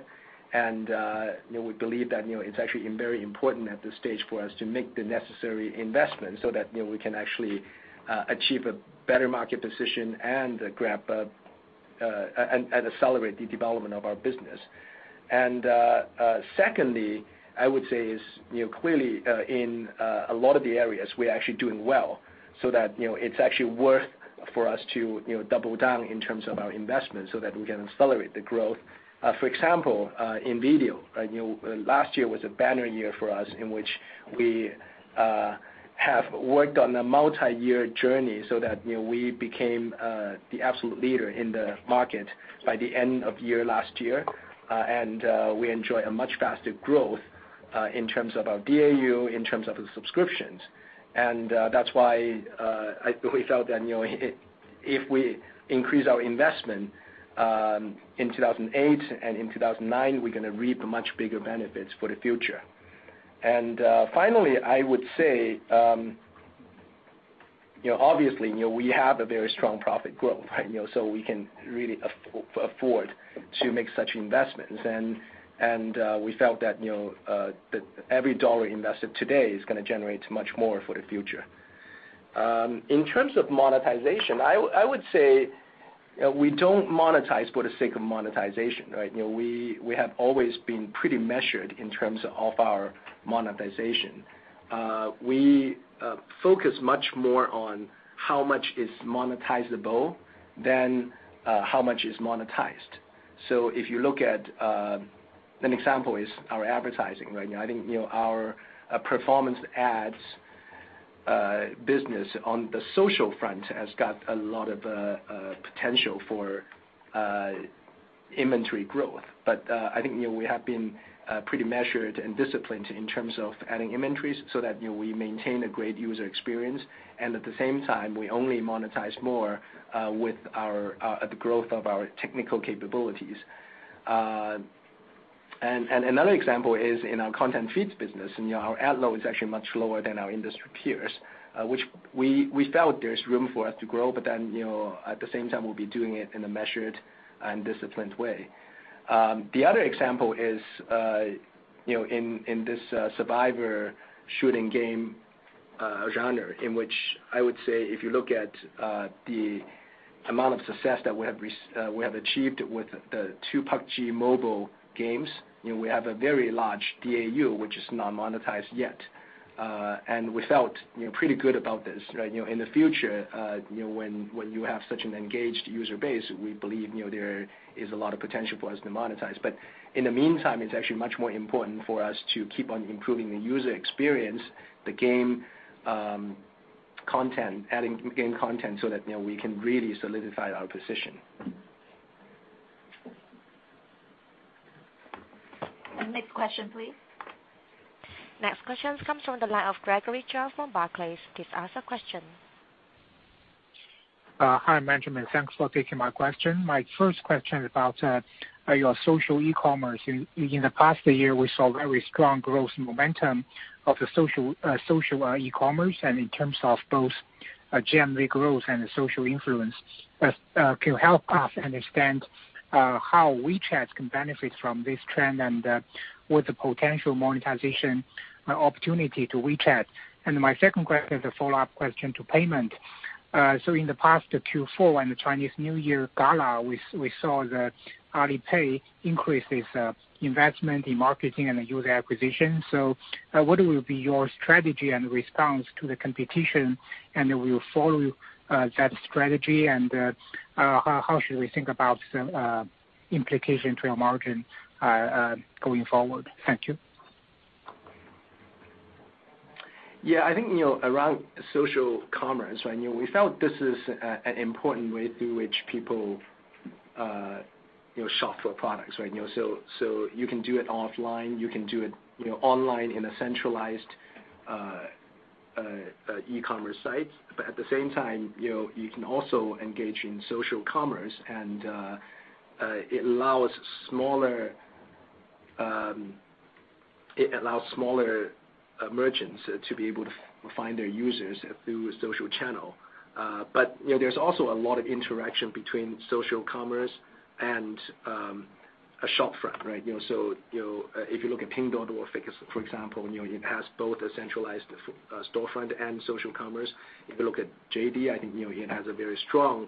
We believe that it's actually very important at this stage for us to make the necessary investments so that we can actually achieve a better market position and accelerate the development of our business. Secondly, I would say is, clearly in a lot of the areas, we are actually doing well, so that it's actually worth for us to double down in terms of our investment so that we can accelerate the growth. For example, in video, last year was a banner year for us in which we have worked on a multi-year journey so that we became the absolute leader in the market by the end of year last year. We enjoy a much faster growth in terms of our DAU, in terms of the subscriptions. That's why we felt that if we increase our investment in 2008 and in 2009, we're going to reap much bigger benefits for the future. Finally, I would say, obviously, we have a very strong profit growth, right, we can really afford to make such investments. We felt that every CNY invested today is going to generate much more for the future. In terms of monetization, I would say we don't monetize for the sake of monetization, right? We have always been pretty measured in terms of our monetization. We focus much more on how much is monetizable than how much is monetized. If you look at, an example is our advertising, right? I think our performance ads business on the social front has got a lot of potential for inventory growth. I think we have been pretty measured and disciplined in terms of adding inventories so that we maintain a great user experience. At the same time, we only monetize more with the growth of our technical capabilities. Another example is in our content feeds business. Our ad load is actually much lower than our industry peers, which we felt there's room for us to grow, at the same time, we'll be doing it in a measured and disciplined way. The other example is, in this survivor shooting game genre, in which I would say if you look at the amount of success that we have achieved with the two PUBG Mobile games, we have a very large DAU, which is not monetized yet. We felt pretty good about this, right? In the future when you have such an engaged user base, we believe there is a lot of potential for us to monetize. In the meantime, it's actually much more important for us to keep on improving the user experience, the game content, adding game content so that we can really solidify our position. Next question, please. Next question comes from the line of Gregory Zhao from Barclays. Please ask your question. Hi, [Martin]. Thanks for taking my question. My first question is about your social e-commerce. In the past year, we saw very strong growth and momentum of the social e-commerce, and in terms of both GMV growth and social influence. Can you help us understand how WeChat can benefit from this trend and what the potential monetization opportunity to WeChat? My second question is a follow-up question to payment. In the past Q4, when the Chinese New Year Gala, we saw that Alipay increased its investment in marketing and user acquisition. What will be your strategy and response to the competition, and will you follow that strategy? How should we think about the implication to your margin going forward? Thank you. Around social commerce, we felt this is an important way through which people shop for products. You can do it offline, you can do it online in a centralized e-commerce site, but at the same time, you can also engage in social commerce, and it allows smaller merchants to be able to find their users through a social channel. There's also a lot of interaction between social commerce and a shop front. If you look at Pinduoduo, for example, it has both a centralized storefront and social commerce. If you look at JD, it has a very strong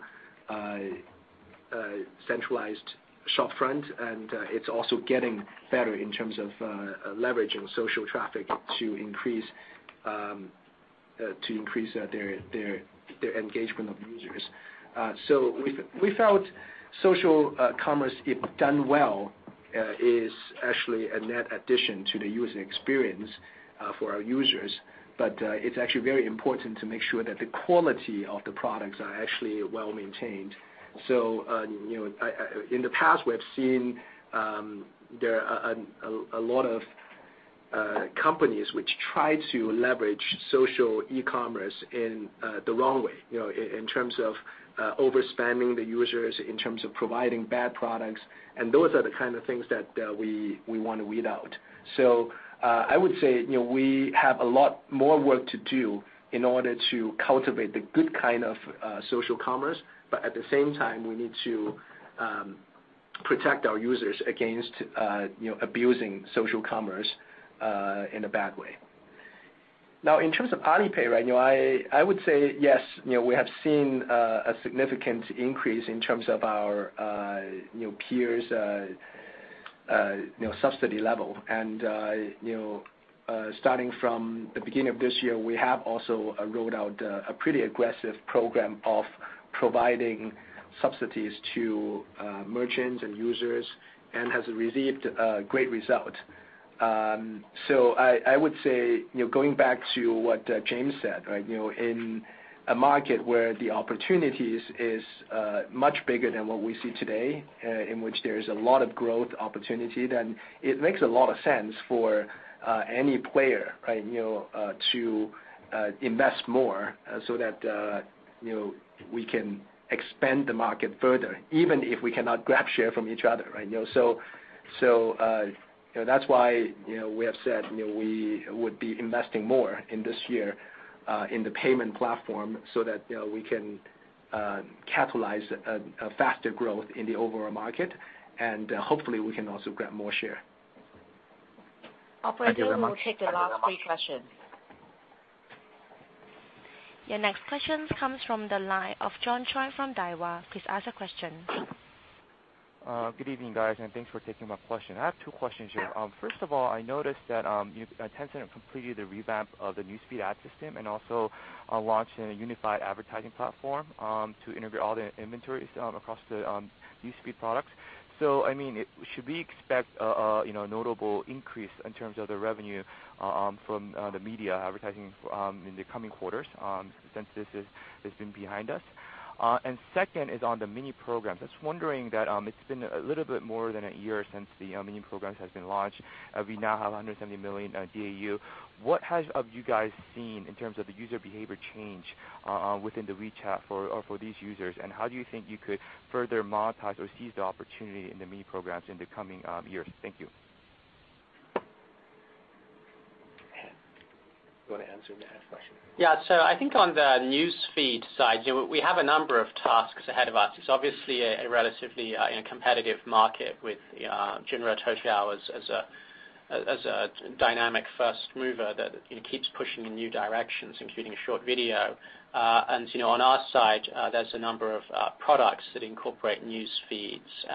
centralized shop front, and it's also getting better in terms of leveraging social traffic to increase their engagement of users. We felt social commerce, if done well, is actually a net addition to the user experience for our users. It's actually very important to make sure that the quality of the products are actually well-maintained. In the past, we have seen there are a lot of companies which try to leverage social e-commerce in the wrong way, in terms of over-spamming the users, in terms of providing bad products, and those are the kind of things that we want to weed out. I would say, we have a lot more work to do in order to cultivate the good kind of social commerce. At the same time, we need to protect our users against abusing social commerce in a bad way. In terms of Alipay, I would say yes, we have seen a significant increase in terms of our peers' subsidy level. Starting from the beginning of this year, we have also rolled out a pretty aggressive program of providing subsidies to merchants and users and have received great result. I would say, going back to what James said, in a market where the opportunities is much bigger than what we see today, in which there is a lot of growth opportunity, then it makes a lot of sense for any player to invest more so that we can expand the market further, even if we cannot grab share from each other. That's why we have said we would be investing more in this year in the payment platform so that we can capitalize a faster growth in the overall market, and hopefully we can also grab more share. Operator- Thank you very much We will take the last three questions. Your next question comes from the line of John Choi from Daiwa. Please ask your question. Good evening, guys. Thanks for taking my question. I have two questions here. First of all, I noticed that Tencent have completed the revamp of the News Feed ad system and also launched a unified advertising platform to integrate all the inventories across the News Feed products. Should we expect a notable increase in terms of the revenue from the media advertising in the coming quarters since this has been behind us? Second is on the Mini Programs. I was wondering that it's been a little bit more than a year since the Mini Programs has been launched. We now have 170 million DAU. What have you guys seen in terms of the user behavior change within the WeChat for these users, and how do you think you could further monetize or seize the opportunity in the Mini Programs in the coming years? Thank you. You want to answer that question? Yeah. I think on the News Feed side, we have a number of tasks ahead of us. It's obviously a relatively competitive market with Jinri Toutiao as a dynamic first mover that keeps pushing in new directions, including short video. On our side, there's a number of products that incorporate News Feeds.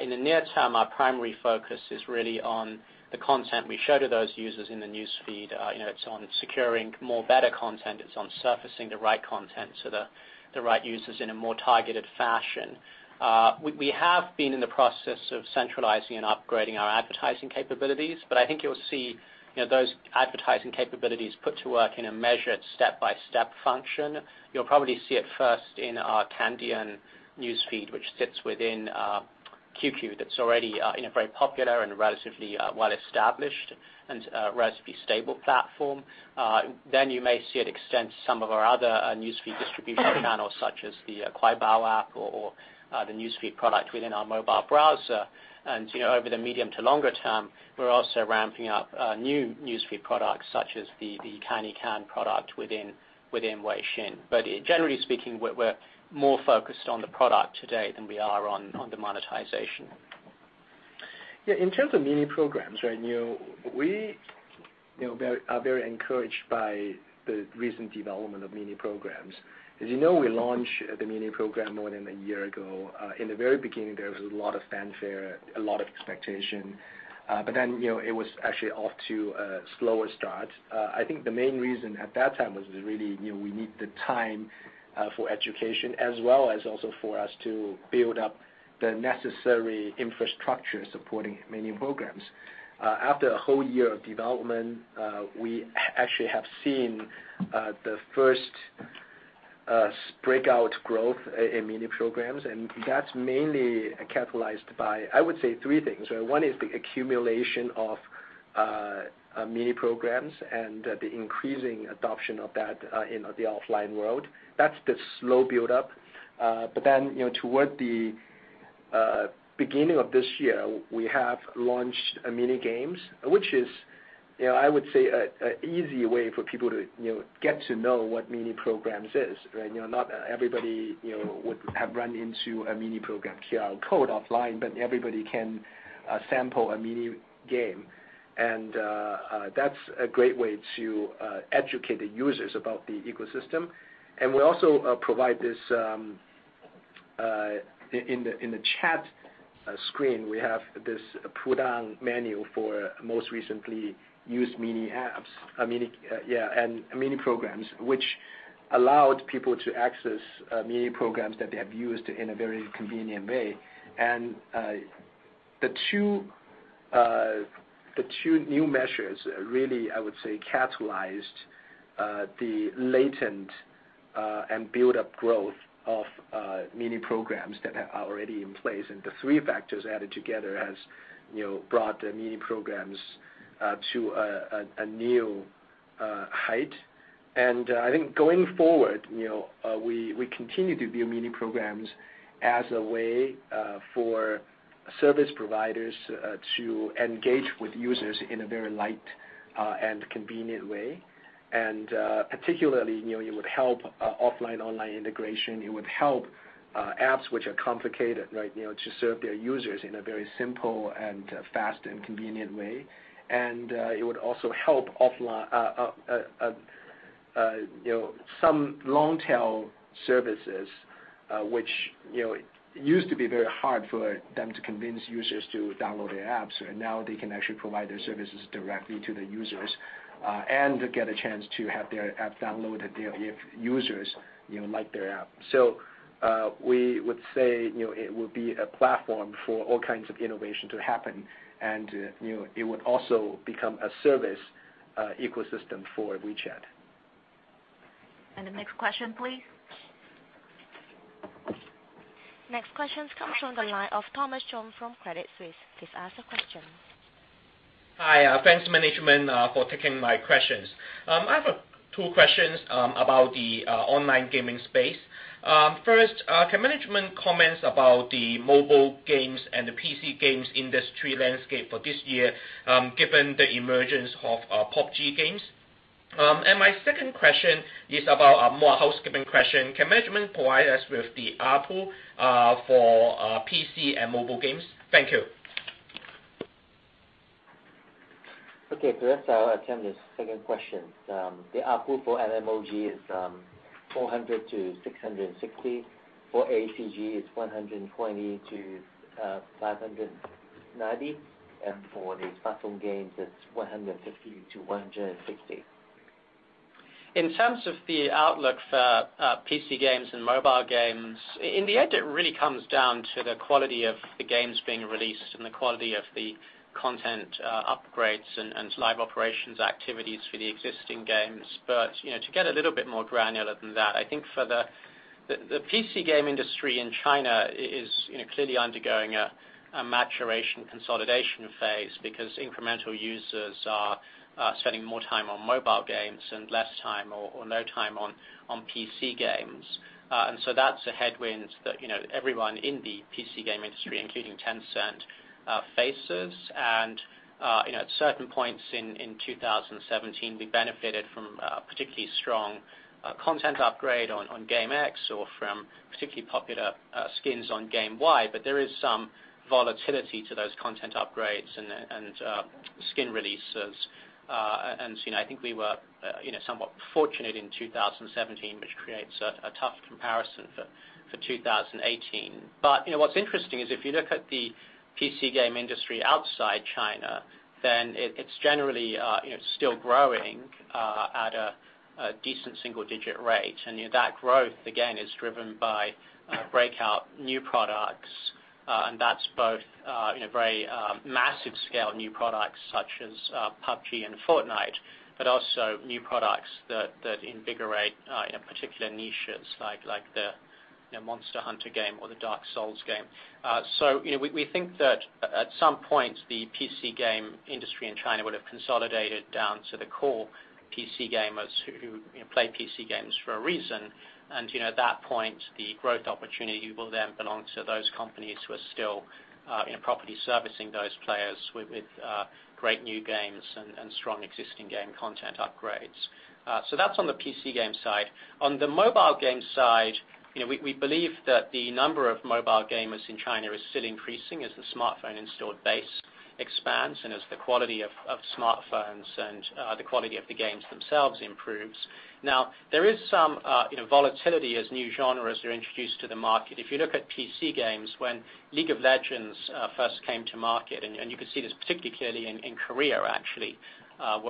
In the near term, our primary focus is really on the content we show to those users in the News Feed. It's on securing more better content. It's on surfacing the right content to the right users in a more targeted fashion. We have been in the process of centralizing and upgrading our advertising capabilities, I think you'll see those advertising capabilities put to work in a measured step-by-step function. You'll probably see it first in our Kandian News Feed, which sits within QQ, that's already very popular and a relatively well-established and relatively stable platform. You may see it extend to some of our other News Feed distribution channels, such as the Kuaibao app or the News Feed product within our mobile browser. Over the medium to longer term, we're also ramping up new News Feed products, such as the Kankan product within Weixin. Generally speaking, we're more focused on the product today than we are on the monetization. Yeah. In terms of Mini Programs, we are very encouraged by the recent development of Mini Programs. As you know, we launched the Mini Program more than a year ago. In the very beginning, there was a lot of fanfare, a lot of expectation. It was actually off to a slower start. I think the main reason at that time was really, we need the time for education, as well as also for us to build up the necessary infrastructure supporting Mini Programs. After a whole year of development, we actually have seen the first breakout growth in Mini Programs, that's mainly catalyzed by, I would say, three things. One is the accumulation of Mini Programs and the increasing adoption of that in the offline world. That's the slow build-up. Toward the beginning of this year, we have launched mini games, which is I would say an easy way for people to get to know what Mini Programs is. Not everybody would have run into a Mini Program QR code offline, but everybody can sample a mini game, and that's a great way to educate the users about the ecosystem. We also provide this, in the chat screen, we have this pull-down menu for most recently used Mini apps, and Mini Programs, which allowed people to access Mini Programs that they have used in a very convenient way. The two new measures really, I would say, catalyzed the latent and build-up growth of Mini Programs that are already in place. The three factors added together has brought the Mini Programs to a new height. I think going forward, we continue to view Mini Programs as a way for service providers to engage with users in a very light and convenient way. Particularly, it would help offline, online integration. It would help apps which are complicated to serve their users in a very simple and fast and convenient way. It would also help some long tail services, which used to be very hard for them to convince users to download their apps. Now they can actually provide their services directly to their users, and get a chance to have their app downloaded if users like their app. We would say it would be a platform for all kinds of innovation to happen and it would also become a service ecosystem for WeChat. The next question, please. Next questions comes from the line of Thomas Chong from Credit Suisse. Please ask your question. Hi. Thanks management for taking my questions. I have two questions about the online gaming space. First, can management comment about the mobile games and the PC games industry landscape for this year, given the emergence of PUBG games? My second question is about a more housekeeping question. Can management provide us with the ARPU for PC and mobile games? Thank you. Okay, Thomas, I'll attempt the second question. The ARPU for MMOG is 400-660. For ACG, it's 120-590. For the special games, it's 150-160. In terms of the outlook for PC games and mobile games, in the end, it really comes down to the quality of the games being released and the quality of the content upgrades and live operations activities for the existing games. To get a little bit more granular than that, I think the PC game industry in China is clearly undergoing a maturation consolidation phase because incremental users are spending more time on mobile games and less time or no time on PC games. That's a headwind that everyone in the PC game industry, including Tencent, faces. At certain points in 2017, we benefited from a particularly strong content upgrade on game X or from particularly popular skins on game Y, but there is some volatility to those content upgrades and skin releases. I think we were somewhat fortunate in 2017, which creates a tough comparison for 2018. What's interesting is if you look at the PC game industry outside China, then it's generally still growing at a decent single-digit rate. That growth, again, is driven by breakout new products, and that's both very massive-scale new products such as PUBG and Fortnite, but also new products that invigorate particular niches like the Monster Hunter game or the Dark Souls game. We think that at some point, the PC game industry in China would have consolidated down to the core PC gamers who play PC games for a reason. At that point, the growth opportunity will then belong to those companies who are still properly servicing those players with great new games and strong existing game content upgrades. That's on the PC game side. On the mobile game side, we believe that the number of mobile gamers in China is still increasing as the smartphone installed base expands and as the quality of smartphones and the quality of the games themselves improves. There is some volatility as new genres are introduced to the market. If you look at PC games, when League of Legends first came to market, and you could see this particularly in Korea, actually,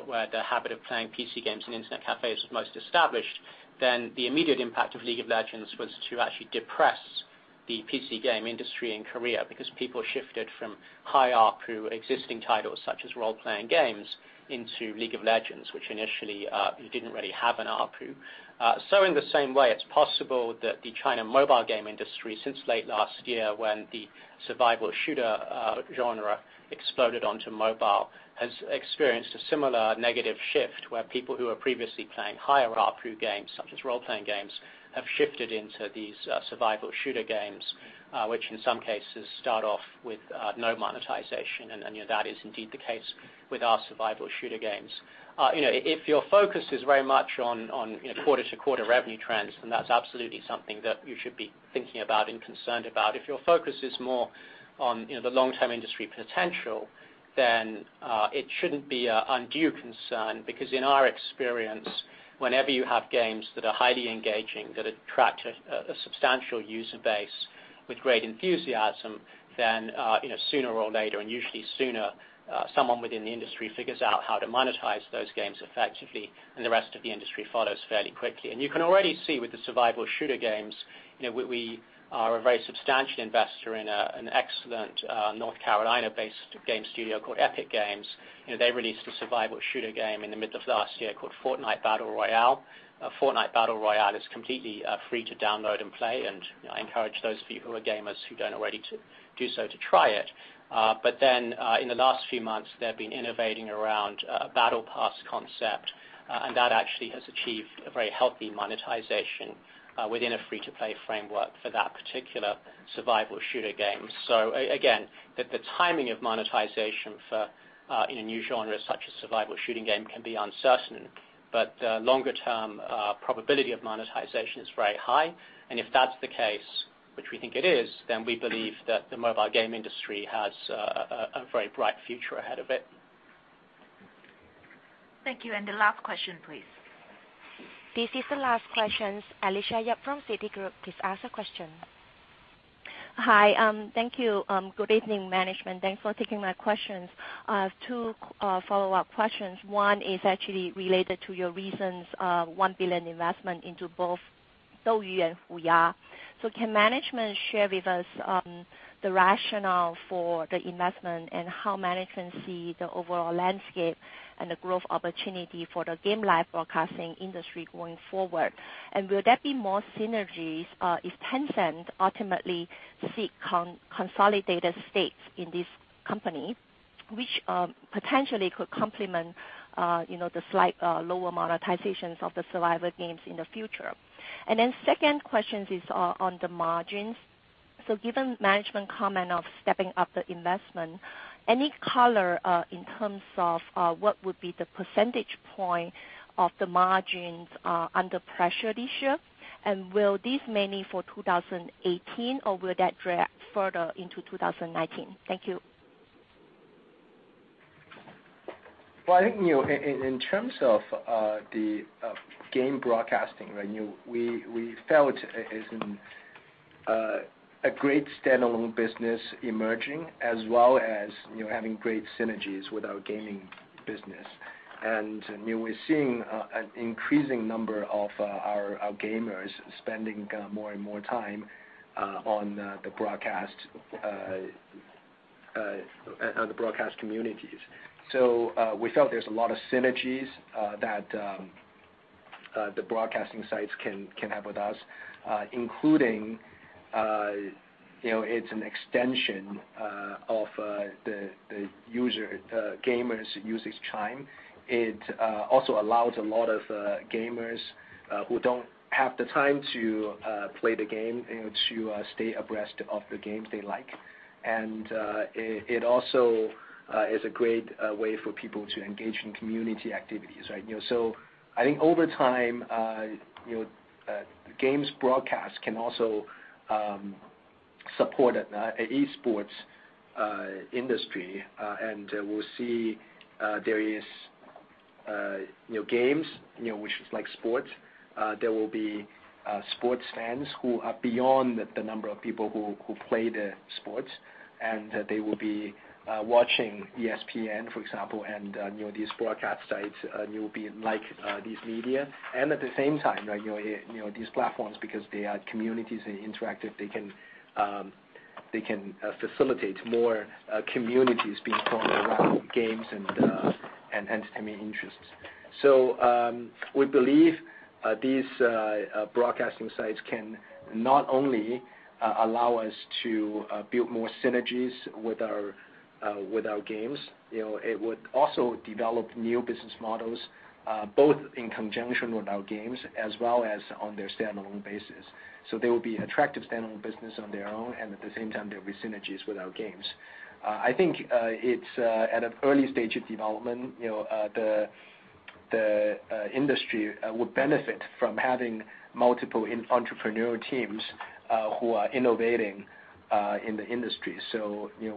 where the habit of playing PC games in internet cafes was most established, the immediate impact of League of Legends was to actually depress the PC game industry in Korea because people shifted from high ARPU existing titles such as role-playing games into League of Legends, which initially didn't really have an ARPU. In the same way, it's possible that the China mobile game industry, since late last year when the survival shooter genre exploded onto mobile, has experienced a similar negative shift where people who were previously playing higher ARPU games, such as role-playing games, have shifted into these survival shooter games, which in some cases start off with no monetization. That is indeed the case with our survival shooter games. If your focus is very much on quarter-to-quarter revenue trends, that's absolutely something that you should be thinking about and concerned about. If your focus is more on the long-term industry potential, it shouldn't be an undue concern because in our experience, whenever you have games that are highly engaging, that attract a substantial user base with great enthusiasm, sooner or later, and usually sooner, someone within the industry figures out how to monetize those games effectively, and the rest of the industry follows fairly quickly. You can already see with the survival shooter games, we are a very substantial investor in an excellent North Carolina-based game studio called Epic Games. They released a survival shooter game in the middle of last year called Fortnite Battle Royale. Fortnite Battle Royale is completely free to download and play, and I encourage those people who are gamers who don't already do so to try it. In the last few months, they've been innovating around a battle pass concept, that actually has achieved a very healthy monetization within a free-to-play framework for that particular survival shooter game. Again, the timing of monetization for a new genre such as survival shooter game can be uncertain, longer-term probability of monetization is very high, if that's the case, which we think it is, we believe that the mobile game industry has a very bright future ahead of it. Thank you. The last question, please. This is the last question. Alicia Yap from Citigroup, please ask the question. Hi. Thank you. Good evening, management. Thanks for taking my questions. I have two follow-up questions. One is actually related to your recent $1 billion investment into both DouYu and Huya. Can management share with us the rationale for the investment and how management see the overall landscape and the growth opportunity for the game live broadcasting industry going forward? Will there be more synergies if Tencent ultimately seek consolidated stakes in this company, which potentially could complement the slight lower monetizations of the survival games in the future? Second question is on the margins. Given management comment of stepping up the investment, any color in terms of what would be the percentage point of the margins under pressure this year, and will this mainly for 2018, or will that drag further into 2019? Thank you. Well, I think, in terms of the game broadcasting revenue, we felt it is a great standalone business emerging, as well as having great synergies with our gaming business. We're seeing an increasing number of our gamers spending more and more time on the broadcast communities. We felt there's a lot of synergies that the broadcasting sites can have with us, including it's an extension of the gamers' usage time. It also allows a lot of gamers who don't have the time to play the game, to stay abreast of the games they like. It also is a great way for people to engage in community activities. I think over time, games broadcast can also support esports industry, and we'll see there is games which is like sports. There will be sports fans who are beyond the number of people who play the sports. They will be watching ESPN, for example, these broadcast sites, and you will be like these media. At the same time, these platforms, because they are communities, they interact, they can facilitate more communities being formed around games and entertainment interests. We believe these broadcasting sites can not only allow us to build more synergies with our games. It would also develop new business models, both in conjunction with our games as well as on their standalone basis. They will be attractive standalone business on their own, and at the same time, there will be synergies with our games. I think it's at an early stage of development. The industry would benefit from having multiple entrepreneurial teams who are innovating in the industry.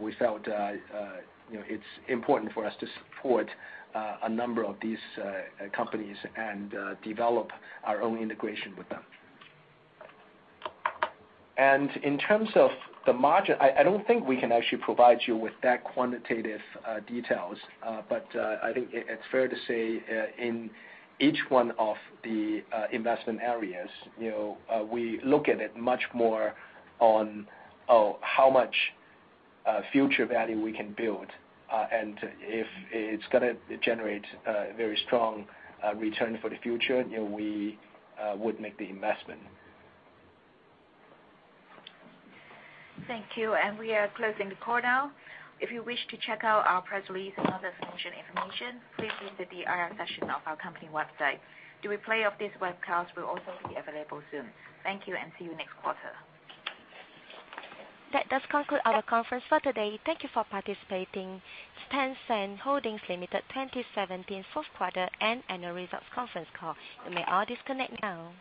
We felt it's important for us to support a number of these companies and develop our own integration with them. In terms of the margin, I don't think we can actually provide you with that quantitative details. I think it's fair to say, in each one of the investment areas, we look at it much more on, how much future value we can build, and if it's going to generate a very strong return for the future, we would make the investment. Thank you. We are closing the call now. If you wish to check out our press release and other financial information, please visit the IR section of our company website. The replay of this webcast will also be available soon. Thank you. See you next quarter. That does conclude our conference for today. Thank you for participating. Tencent Holdings Limited 2017 fourth quarter and annual results conference call. You may all disconnect now.